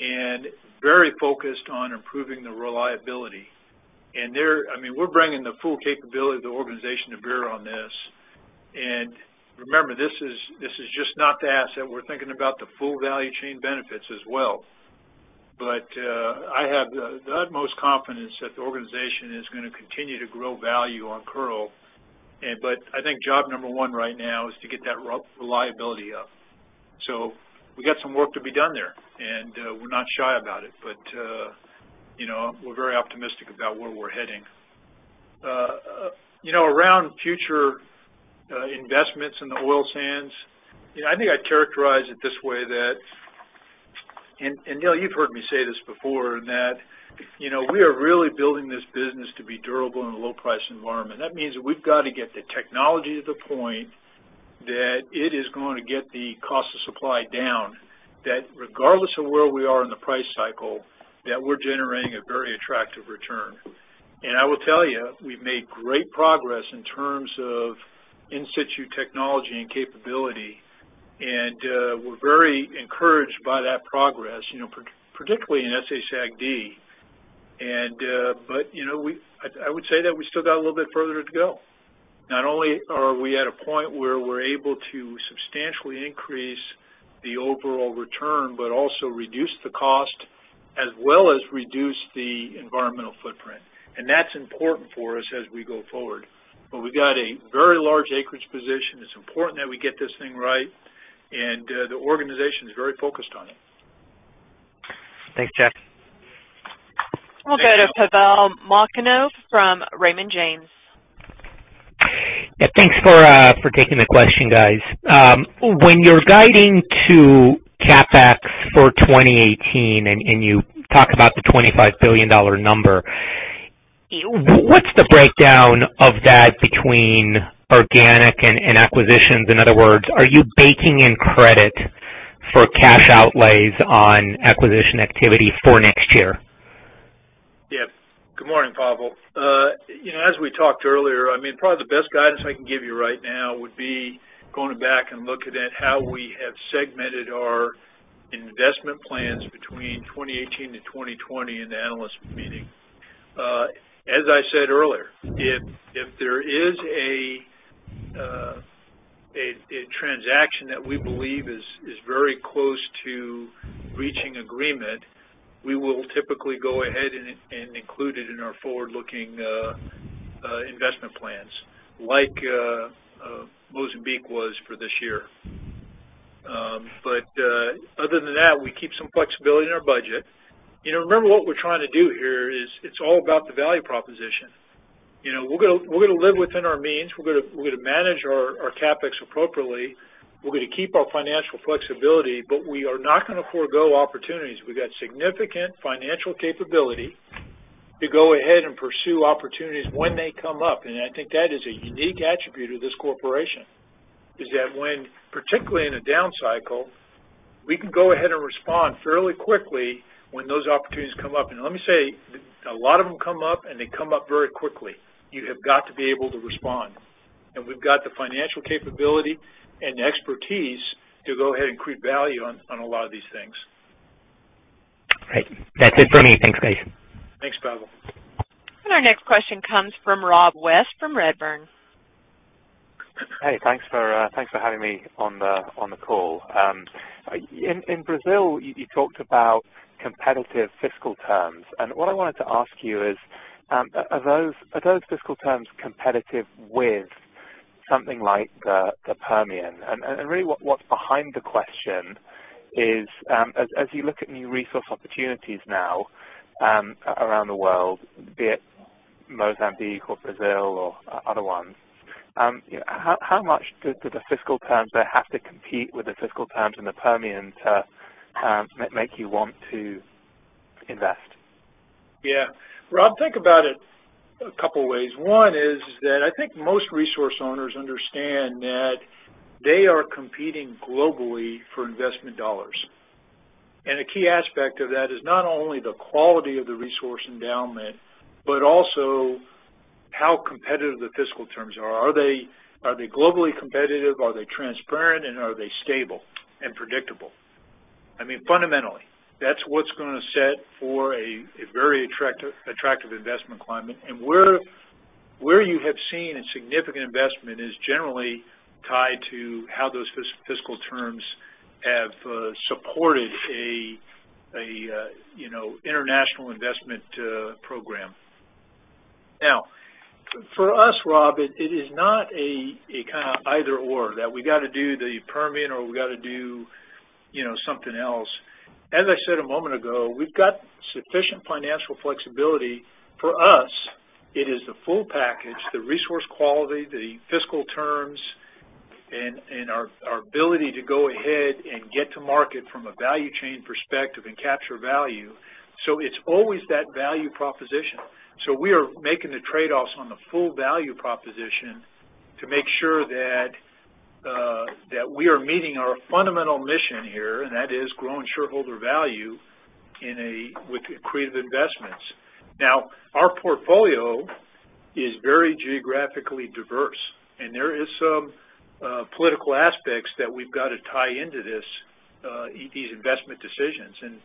and very focused on improving the reliability. We're bringing the full capability of the organization to bear on this. Remember, this is just not the asset. We're thinking about the full value chain benefits as well. I have the utmost confidence that the organization is going to continue to grow value on Kearl. I think job number 1 right now is to get that reliability up. We've got some work to be done there, and we're not shy about it. We're very optimistic about where we're heading. Around future investments in the oil sands, I think I'd characterize it this way that, Neil, you've heard me say this before, in that we are really building this business to be durable in a low-price environment. That means that we've got to get the technology to the point that it is going to get the cost of supply down. That regardless of where we are in the price cycle, that we're generating a very attractive return. I will tell you, we've made great progress in terms of in situ technology and capability, and we're very encouraged by that progress, particularly in SA-SAGD. I would say that we still got a little bit further to go. Not only are we at a point where we're able to substantially increase the overall return, but also reduce the cost, as well as reduce the environmental footprint. That's important for us as we go forward. We've got a very large acreage position. It's important that we get this thing right, and the organization's very focused on it. Thanks, Jeff. We'll go to Pavel Molchanov from Raymond James. Yeah, thanks for taking the question, guys. When you're guiding to CapEx for 2018, and you talk about the $25 billion number, what's the breakdown of that between organic and acquisitions? In other words, are you baking in credit for cash outlays on acquisition activity for next year? Yeah. Good morning, Pavel. As we talked earlier, probably the best guidance I can give you right now would be going back and looking at how we have segmented our investment plans between 2018 to 2020 in the analyst meeting. As I said earlier, if there is a transaction that we believe is very close to reaching agreement, we will typically go ahead and include it in our forward-looking investment plans, like Mozambique was for this year. Other than that, we keep some flexibility in our budget. Remember what we're trying to do here is it's all about the value proposition. We're going to live within our means. We're going to manage our CapEx appropriately. We're going to keep our financial flexibility, but we are not going to forego opportunities. We've got significant financial capability to go ahead and pursue opportunities when they come up. I think that is a unique attribute of this corporation is that when, particularly in a down cycle, we can go ahead and respond fairly quickly when those opportunities come up. Let me say, a lot of them come up, and they come up very quickly. You have got to be able to respond. We've got the financial capability and the expertise to go ahead and create value on a lot of these things. Great. That's it for me. Thanks, guys. Thanks, Pavel. Our next question comes from Rob West from Redburn. Hey, thanks for having me on the call. In Brazil, you talked about competitive fiscal terms. What I wanted to ask you is, are those fiscal terms competitive with something like the Permian? Really what's behind the question is, as you look at new resource opportunities now around the world, be it Mozambique or Brazil or other ones, how much do the fiscal terms there have to compete with the fiscal terms in the Permian to make you want to invest? Yeah. Rob, think about it a couple ways. One is that I think most resource owners understand that they are competing globally for investment dollars. A key aspect of that is not only the quality of the resource endowment but also how competitive the fiscal terms are. Are they globally competitive? Are they transparent? Are they stable and predictable? Fundamentally, that's what's going to set for a very attractive investment climate. Where you have seen a significant investment is generally tied to how those fiscal terms have supported an international investment program. For us, Rob, it is not a kind of either/or, that we got to do the Permian or we got to do something else. As I said a moment ago, we've got sufficient financial flexibility. For us, it is the full package, the resource quality, the fiscal terms, and our ability to go ahead and get to market from a value chain perspective and capture value. It's always that value proposition. We are making the trade-offs on the full value proposition to make sure that we are meeting our fundamental mission here, and that is growing shareholder value with accretive investments. Our portfolio is very geographically diverse, and there is some political aspects that we've got to tie into these investment decisions.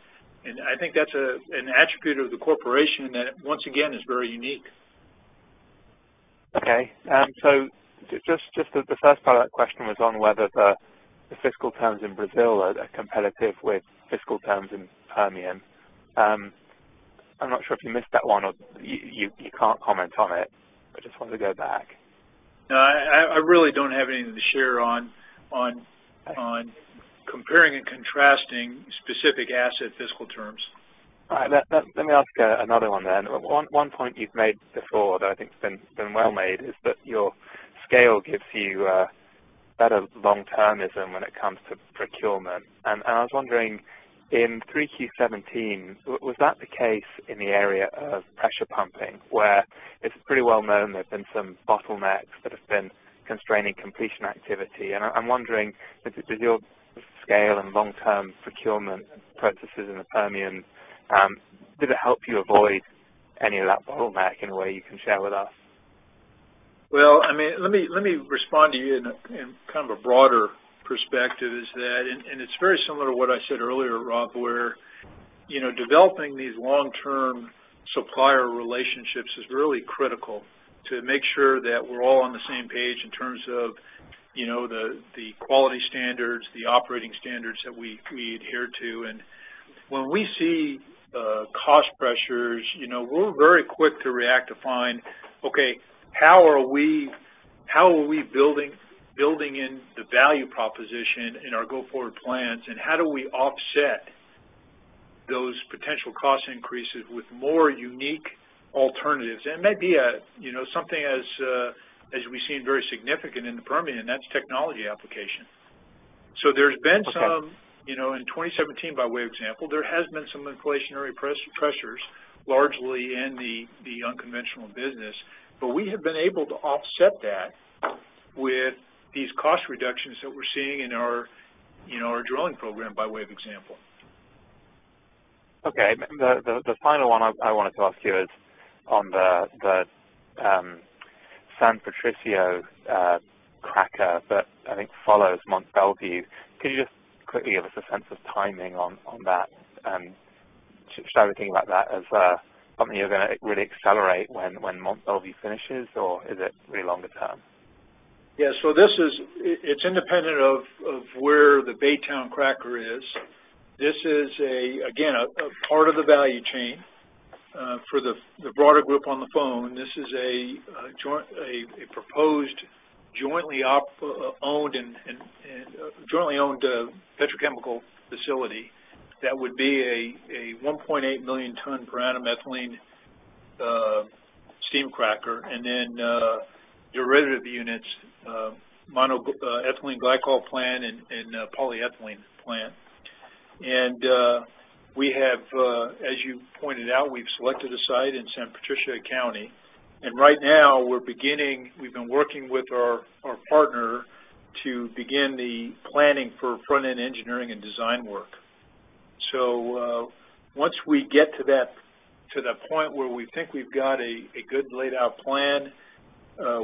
I think that's an attribute of the corporation that, once again, is very unique. Okay. Just the first part of that question was on whether the fiscal terms in Brazil are competitive with fiscal terms in Permian. I'm not sure if you missed that one or you can't comment on it, I just wanted to go back. No, I really don't have anything to share on comparing and contrasting specific asset fiscal terms. All right. Let me ask another one. One point you've made before that I think has been well made is that your scale gives you better long-termism when it comes to procurement. I was wondering, in 3Q 2017, was that the case in the area of pressure pumping? Where it's pretty well-known there's been some bottlenecks that have been constraining completion activity. I'm wondering, does your scale and long-term procurement practices in the Permian, did it help you avoid any of that bottleneck in a way you can share with us? Well, let me respond to you in a broader perspective is that it's very similar to what I said earlier, Rob, where developing these long-term supplier relationships is really critical to make sure that we're all on the same page in terms of the quality standards, the operating standards that we adhere to. When we see cost pressures, we're very quick to react to find, okay, how are we building in the value proposition in our go-forward plans, and how do we offset those potential cost increases with more unique alternatives? It may be something as we've seen very significant in the Permian, and that's technology application. Okay. In 2017, by way of example, there has been some inflationary pressures, largely in the unconventional business. We have been able to offset that with these cost reductions that we're seeing in our drilling program, by way of example. Okay. The final one I wanted to ask you is on the San Patricio cracker that I think follows Mont Belvieu. Could you just quickly give us a sense of timing on that? Should I be thinking about that as something you're going to really accelerate when Mont Belvieu finishes, or is it really longer term? Yeah. It's independent of where the Baytown cracker is. This is, again, a part of the value chain. For the broader group on the phone, this is a proposed jointly owned petrochemical facility that would be a 1.8 million ton per annum ethylene steam cracker, derivative units, monoethylene glycol plant and a polyethylene plant. As you pointed out, we've selected a site in San Patricio County. Right now, We've been working with our partner to begin the planning for front-end engineering and design work. Once we get to that point where we think we've got a good laid out plan,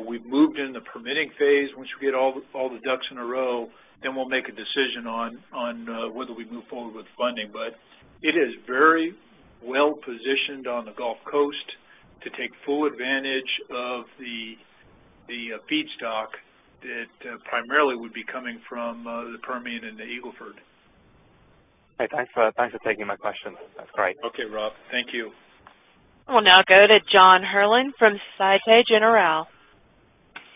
we've moved into permitting phase, once we get all the ducks in a row, we'll make a decision on whether we move forward with funding. It is very well positioned on the Gulf Coast to take full advantage of the feedstock that primarily would be coming from the Permian and the Eagle Ford. Okay, thanks for taking my questions. That's great. Okay, Rob. Thank you. We'll now go to John Herrlin from Societe Generale.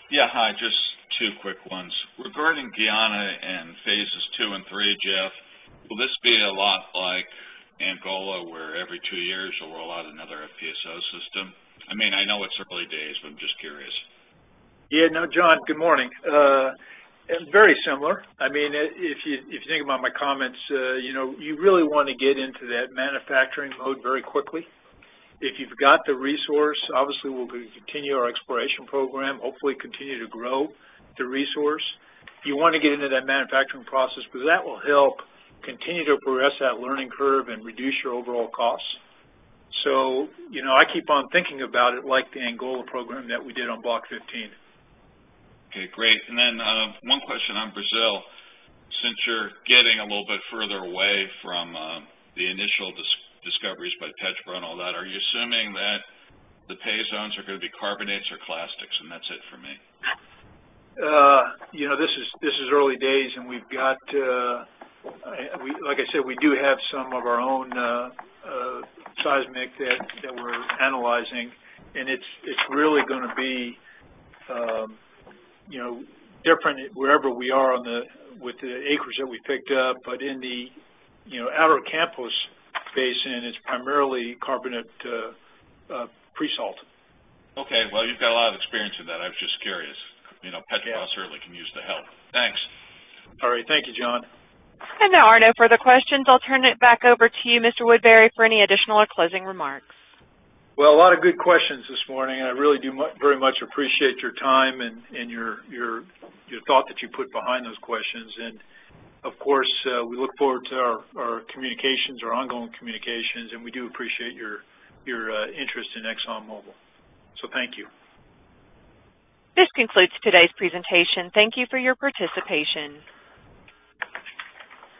Yeah, hi, just two quick ones. Regarding Guyana and phases two and three, Jeff, will this be a lot like Angola, where every two years you'll roll out another FPSO system? I know it's early days, but I'm just curious. Yeah, no, John, good morning. Very similar. If you think about my comments, you really want to get into that manufacturing mode very quickly. If you've got the resource, obviously we'll continue our exploration program, hopefully continue to grow the resource. You want to get into that manufacturing process because that will help continue to progress that learning curve and reduce your overall costs. I keep on thinking about it like the Angola program that we did on Block 15. Okay, great. One question on Brazil. Since you're getting a little bit further away from the initial discoveries by Petrobras and all that, are you assuming that the pay zones are going to be carbonates or clastics? That's it for me. This is early days, and like I said, we do have some of our own seismic that we're analyzing, and it's really going to be different wherever we are with the acreage that we picked up. In the Araucarias Basin, it's primarily carbonate pre-salt. Okay. Well, you've got a lot of experience with that. I was just curious. Yeah. Petrobras certainly can use the help. Thanks. All right. Thank you, John. There are no further questions. I'll turn it back over to you, Mr. Woodbury, for any additional or closing remarks. Well, a lot of good questions this morning, I really do very much appreciate your time and your thought that you put behind those questions. Of course, we look forward to our ongoing communications, and we do appreciate your interest in ExxonMobil. Thank you. This concludes today's presentation. Thank you for your participation.